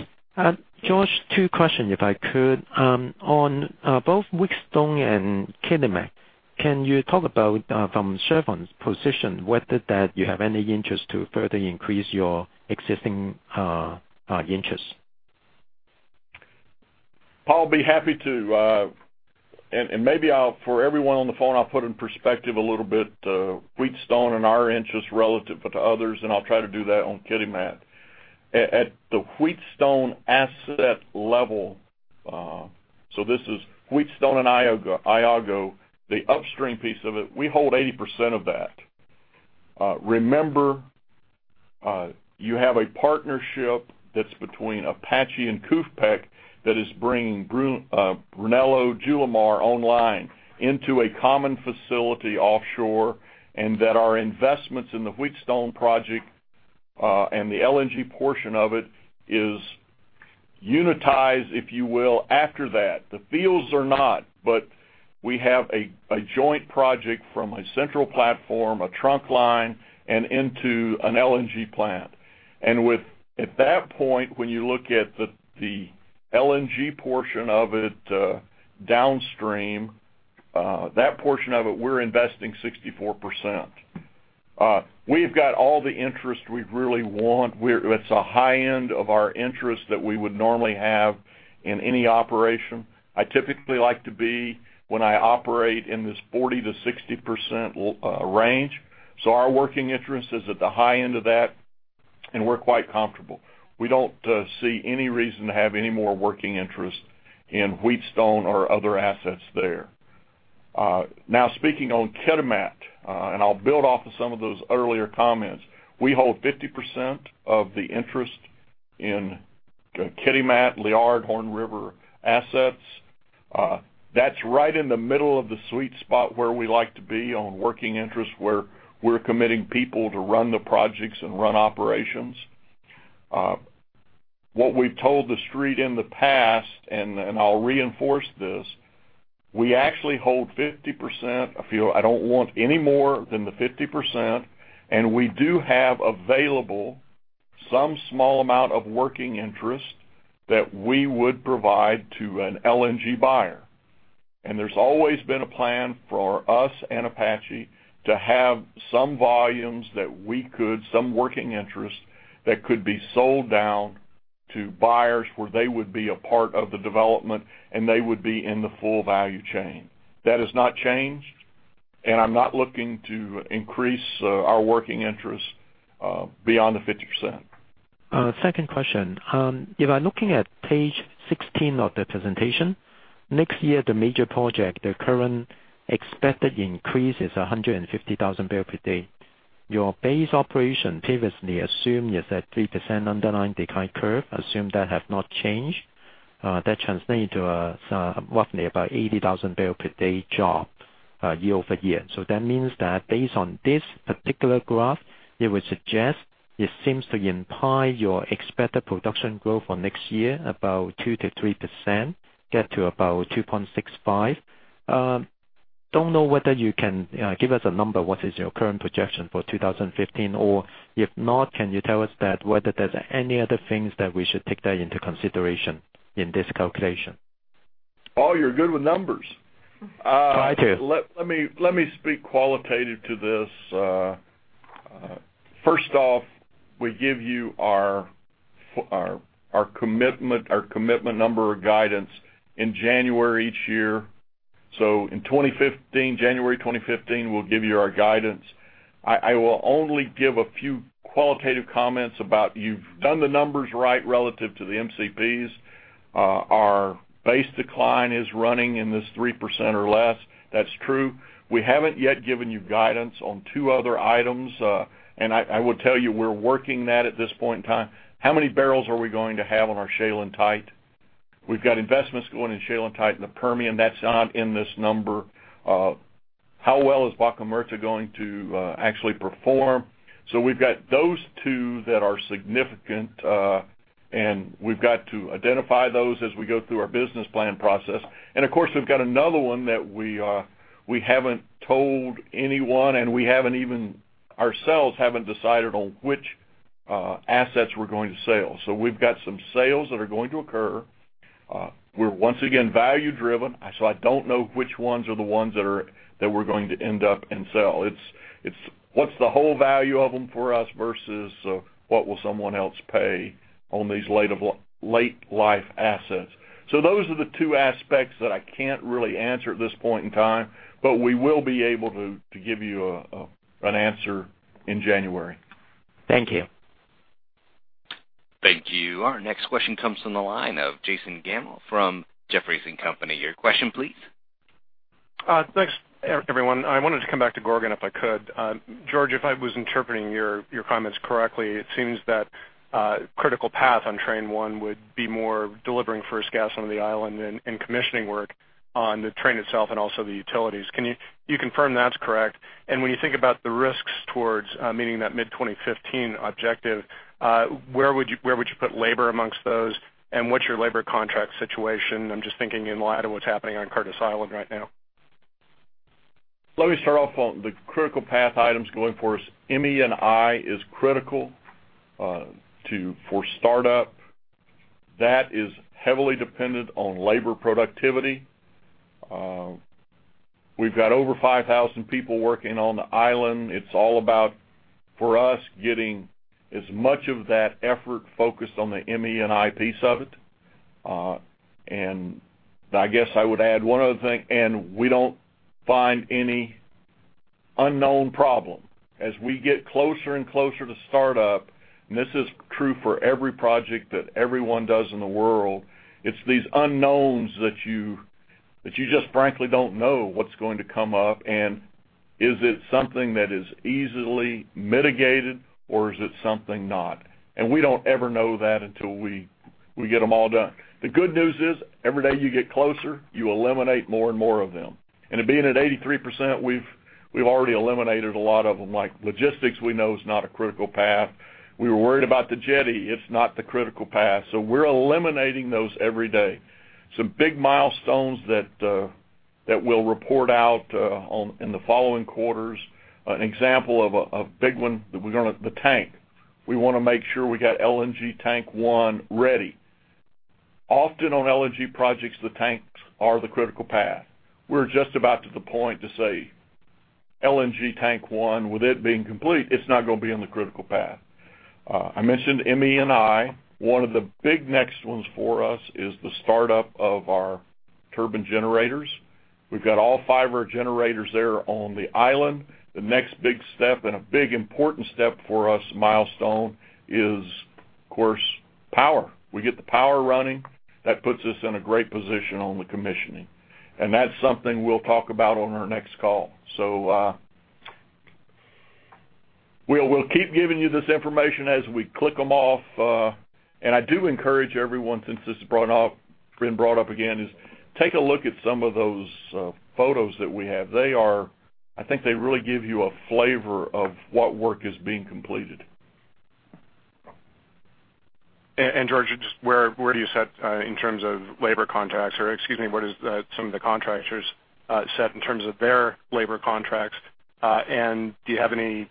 [SPEAKER 9] George, two question, if I could. On both Wheatstone and Kitimat, can you talk about, from Chevron's position, whether that you have any interest to further increase your existing interest?
[SPEAKER 4] Paul, I'll be happy to. Maybe for everyone on the phone, I'll put in perspective a little bit Wheatstone and our interest relative to others, and I'll try to do that on Kitimat. At the Wheatstone asset level, so this is Wheatstone and Iago, the upstream piece of it, we hold 80% of that. Remember, you have a partnership that's between Apache and KUFPEC that is bringing Julimar online into a common facility offshore, and that our investments in the Wheatstone project, and the LNG portion of it is unitized, if you will, after that. The fields are not. We have a joint project from a central platform, a trunk line, and into an LNG plant. At that point, when you look at the LNG portion of it, downstream, that portion of it, we're investing 64%. We've got all the interest we really want. It's a high end of our interest that we would normally have in any operation. I typically like to be, when I operate, in this 40%-60% range. Our working interest is at the high end of that. We're quite comfortable. We don't see any reason to have any more working interest in Wheatstone or other assets there. Now, speaking on Kitimat, and I'll build off of some of those earlier comments. We hold 50% of the interest in Kitimat, Liard, Horn River assets. That's right in the middle of the sweet spot where we like to be on working interest, where we're committing people to run the projects and run operations. What we've told the Street in the past, and I'll reinforce this, we actually hold 50%. I feel I don't want any more than the 50%. We do have available some small amount of working interest that we would provide to an LNG buyer. There's always been a plan for us and Apache to have some volumes that we could, some working interest that could be sold down to buyers where they would be a part of the development and they would be in the full value chain. That has not changed. I'm not looking to increase our working interest beyond the 50%.
[SPEAKER 9] Second question. If I'm looking at page 16 of the presentation, next year, the major project, the current expected increase is 150,000 barrel per day. Your base operation previously assumed is at 3% underlying decline curve, assume that have not changed. That translate into roughly about 80,000 barrel per day drop year-over-year. That means that based on this particular graph, it would suggest it seems to imply your expected production growth for next year about 2%-3%, get to about 2.65. Don't know whether you can give us a number, what is your current projection for 2015, or if not, can you tell us that whether there's any other things that we should take that into consideration in this calculation?
[SPEAKER 4] You're good with numbers.
[SPEAKER 9] Try to.
[SPEAKER 4] Let me speak qualitative to this. First off, we give you our commitment number or guidance in January each year. In 2015, January 2015, we'll give you our guidance. I will only give a few qualitative comments about you've done the numbers right relative to the MCPs. Our base decline is running in this 3% or less. That's true. We haven't yet given you guidance on two other items. I will tell you, we're working that at this point in time. How many barrels are we going to have on our shale and tight? We've got investments going in shale and tight in the Permian. That's not in this number. How well is Vaca Muerta going to actually perform? We've got those two that are significant, and we've got to identify those as we go through our business plan process. Of course, we've got another one that we haven't told anyone, and we haven't even ourselves haven't decided on which assets we're going to sell. We've got some sales that are going to occur. We're once again value driven. I don't know which ones are the ones that we're going to end up and sell. It's what's the whole value of them for us versus what will someone else pay on these late life assets. Those are the two aspects that I can't really answer at this point in time, but we will be able to give you an answer in January.
[SPEAKER 9] Thank you.
[SPEAKER 1] Thank you. Our next question comes from the line of Jason Gammel from Jefferies & Company. Your question, please.
[SPEAKER 10] Thanks, everyone. I wanted to come back to Gorgon, if I could. George, if I was interpreting your comments correctly, it seems that critical path on train one would be more delivering first gas on the island and commissioning work on the train itself and also the utilities. Can you confirm that's correct? When you think about the risks towards meeting that mid-2015 objective, where would you put labor amongst those, and what's your labor contract situation? I'm just thinking in light of what's happening on Curtis Island right now.
[SPEAKER 4] Let me start off on the critical path items going for us. ME and I is critical for startup. That is heavily dependent on labor productivity. We've got over 5,000 people working on the island. It's all about, for us, getting as much of that effort focused on the ME and I piece of it. I guess I would add one other thing, and we don't find any unknown problem. As we get closer and closer to startup, and this is true for every project that everyone does in the world, it's these unknowns that you just frankly don't know what's going to come up, and is it something that is easily mitigated or is it something not? We don't ever know that until we get them all done. The good news is every day you get closer, you eliminate more and more of them. Being at 83%, we've already eliminated a lot of them, like logistics we know is not a critical path. We were worried about the jetty. It's not the critical path. We're eliminating those every day. Some big milestones that we'll report out in the following quarters, an example of a big one, the tank. We want to make sure we got LNG tank one ready. Often on LNG projects, the tanks are the critical path. We're just about to the point to say LNG tank one, with it being complete, it's not going to be on the critical path. I mentioned ME and I. One of the big next ones for us is the startup of our turbine generators. We've got all five of our generators there on the island. The next big step, and a big important step for us, milestone, is, of course, power. We get the power running, that puts us in a great position on the commissioning. That's something we'll talk about on our next call. We'll keep giving you this information as we click them off. I do encourage everyone, since this has been brought up again, is take a look at some of those photos that we have. I think they really give you a flavor of what work is being completed.
[SPEAKER 10] George, just where do you set in terms of labor contracts, or excuse me, where does some of the contractors set in terms of their labor contracts? Do you have any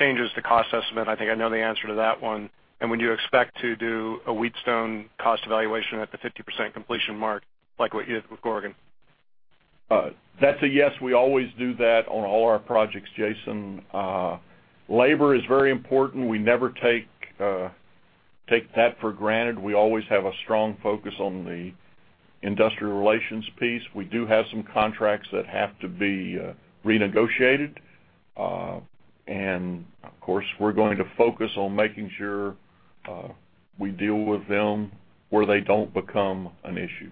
[SPEAKER 10] changes to cost estimate? I think I know the answer to that one. When you expect to do a Wheatstone cost evaluation at the 50% completion mark, like what you did with Gorgon?
[SPEAKER 4] That's a yes. We always do that on all our projects, Jason. Labor is very important. We never take that for granted. We always have a strong focus on the industrial relations piece. We do have some contracts that have to be renegotiated. Of course, we're going to focus on making sure we deal with them where they don't become an issue.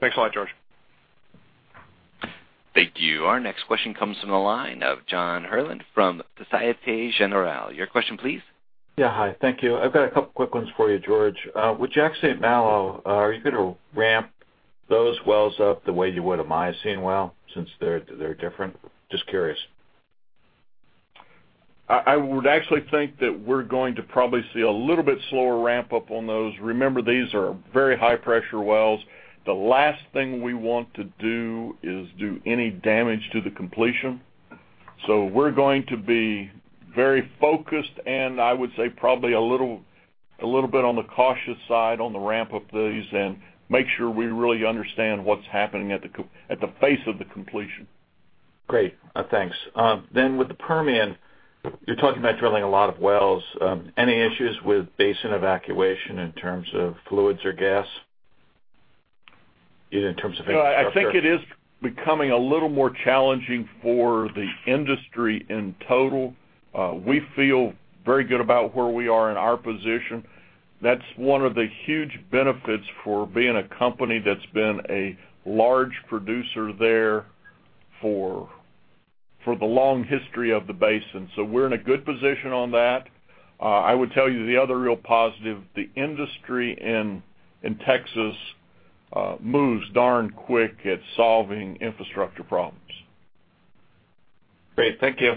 [SPEAKER 10] Thanks a lot, George.
[SPEAKER 1] Thank you. Our next question comes from the line of John Herrlin from Société Générale. Your question, please.
[SPEAKER 11] Yeah. Hi, thank you. I've got a couple quick ones for you, George. With Jack/St. Malo, are you going to ramp those wells up the way you would a Miocene well, since they're different? Just curious.
[SPEAKER 4] I would actually think that we're going to probably see a little bit slower ramp-up on those. Remember, these are very high-pressure wells. The last thing we want to do is do any damage to the completion. We're going to be very focused, and I would say probably a little bit on the cautious side on the ramp of these and make sure we really understand what's happening at the face of the completion.
[SPEAKER 11] Great. Thanks. With the Permian, you're talking about drilling a lot of wells. Any issues with basin evacuation in terms of fluids or gas, in terms of infrastructure?
[SPEAKER 4] No, I think it is becoming a little more challenging for the industry in total. We feel very good about where we are in our position. That's one of the huge benefits for being a company that's been a large producer there for the long history of the basin. We're in a good position on that. I would tell you the other real positive, the industry in Texas moves darn quick at solving infrastructure problems.
[SPEAKER 11] Great. Thank you.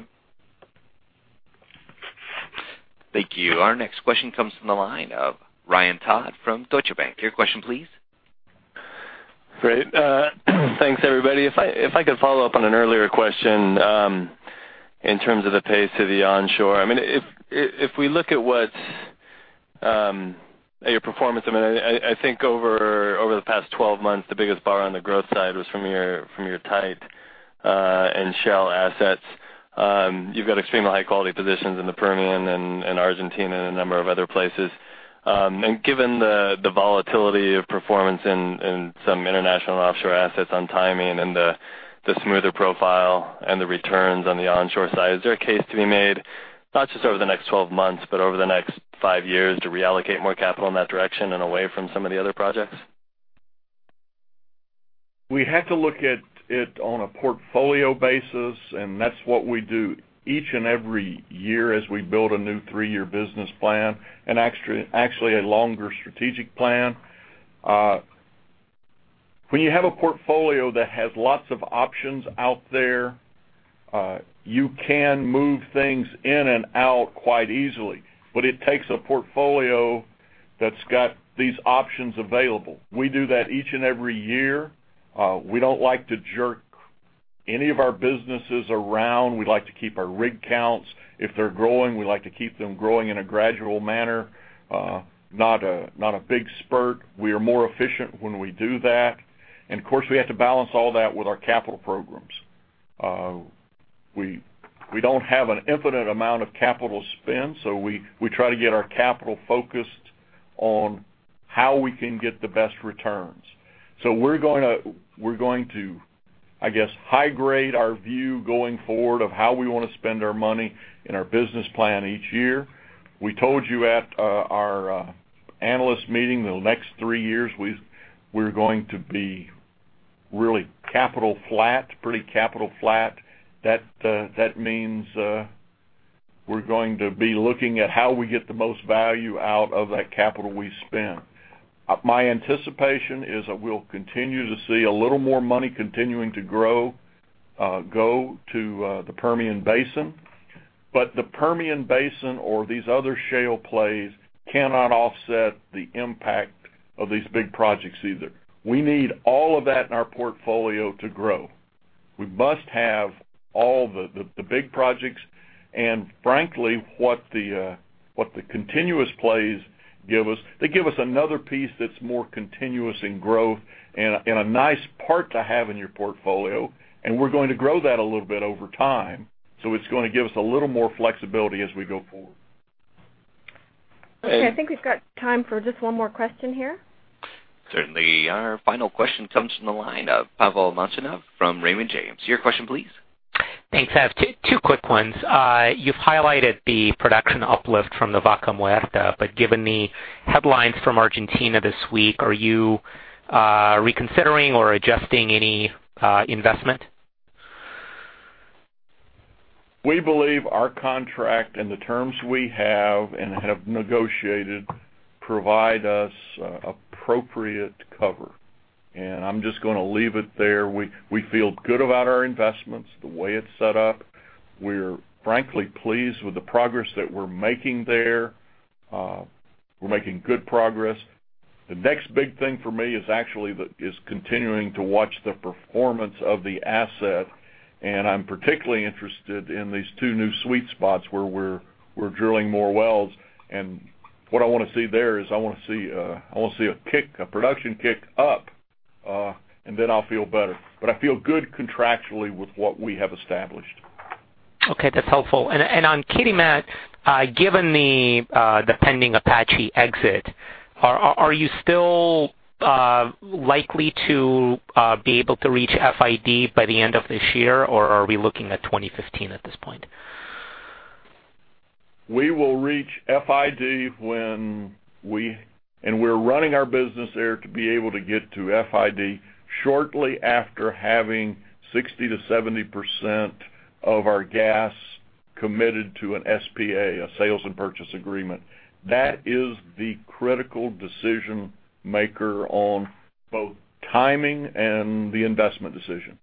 [SPEAKER 1] Thank you. Our next question comes from the line of Ryan Todd from Deutsche Bank. Your question, please.
[SPEAKER 12] Great. Thanks, everybody. Given the volatility of performance in some international and offshore assets on timing and the smoother profile and the returns on the onshore side, is there a case to be made, not just over the next 12 months, but over the next five years to reallocate more capital in that direction and away from some of the other projects?
[SPEAKER 4] We have to look at it on a portfolio basis, and that's what we do each and every year as we build a new three-year business plan, and actually a longer strategic plan. When you have a portfolio that has lots of options out there, you can move things in and out quite easily, but it takes a portfolio that's got these options available. We do that each and every year. We don't like to jerk any of our businesses around. We like to keep our rig counts. If they're growing, we like to keep them growing in a gradual manner, not a big spurt. We are more efficient when we do that. Of course, we have to balance all that with our capital programs. We don't have an infinite amount of capital spend, we try to get our capital focused on how we can get the best returns. We're going to, I guess, high grade our view going forward of how we want to spend our money and our business plan each year. We told you at our analyst meeting, the next 3 years, we're going to be really capital flat, pretty capital flat. That means we're going to be looking at how we get the most value out of that capital we spend. My anticipation is that we'll continue to see a little more money continuing to go to the Permian Basin, the Permian Basin or these other shale plays cannot offset the impact of these big projects either. We need all of that in our portfolio to grow. We must have all the big projects, frankly, what the continuous plays give us, they give us another piece that's more continuous in growth and a nice part to have in your portfolio, and we're going to grow that a little bit over time. It's going to give us a little more flexibility as we go forward.
[SPEAKER 2] Okay. I think we've got time for just one more question here.
[SPEAKER 1] Certainly. Our final question comes from the line of Pavel Molchanov from Raymond James. Your question please.
[SPEAKER 13] Thanks. I have two quick ones. You've highlighted the production uplift from Vaca Muerta, given the headlines from Argentina this week, are you reconsidering or adjusting any investment?
[SPEAKER 4] We believe our contract and the terms we have and have negotiated provide us appropriate cover, I'm just going to leave it there. We feel good about our investments, the way it's set up. We're frankly pleased with the progress that we're making there. We're making good progress. The next big thing for me is continuing to watch the performance of the asset, I'm particularly interested in these two new sweet spots where we're drilling more wells. What I want to see there is I want to see a production kick up, then I'll feel better. I feel good contractually with what we have established.
[SPEAKER 13] Okay. That's helpful. On Kitimat, given the pending Apache exit, are you still likely to be able to reach FID by the end of this year, or are we looking at 2015 at this point?
[SPEAKER 4] We will reach FID. We're running our business there to be able to get to FID shortly after having 60%-70% of our gas committed to an SPA, a sales and purchase agreement. That is the critical decision maker on both timing and the investment decision.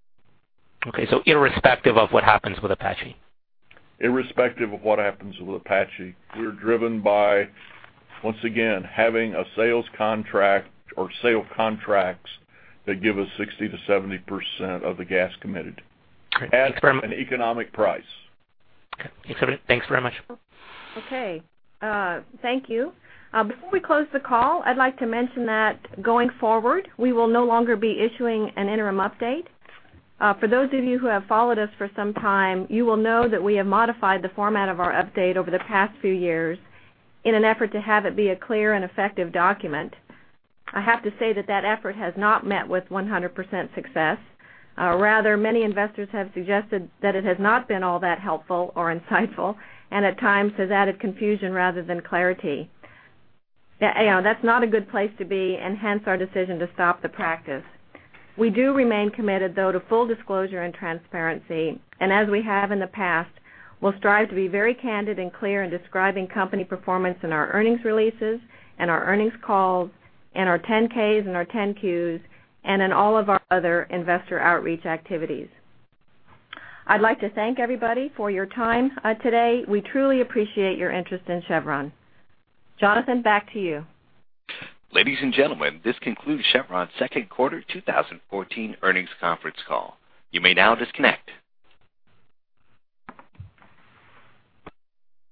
[SPEAKER 13] Okay. Irrespective of what happens with Apache?
[SPEAKER 4] Irrespective of what happens with Apache. We're driven by, once again, having a sales contract or sale contracts that give us 60%-70% of the gas committed at an economic price.
[SPEAKER 13] Okay. Thanks very much.
[SPEAKER 2] Okay. Thank you. Before we close the call, I'd like to mention that going forward, we will no longer be issuing an interim update. For those of you who have followed us for some time, you will know that we have modified the format of our update over the past few years in an effort to have it be a clear and effective document. I have to say that that effort has not met with 100% success. Rather, many investors have suggested that it has not been all that helpful or insightful, and at times has added confusion rather than clarity. That's not a good place to be, and hence our decision to stop the practice. We do remain committed, though, to full disclosure and transparency. As we have in the past, we'll strive to be very candid and clear in describing company performance in our earnings releases and our earnings calls, and our 10-K and our 10-Q, and in all of our other investor outreach activities. I'd like to thank everybody for your time today. We truly appreciate your interest in Chevron. Jonathan, back to you.
[SPEAKER 1] Ladies and gentlemen, this concludes Chevron's second quarter 2014 earnings conference call. You may now disconnect.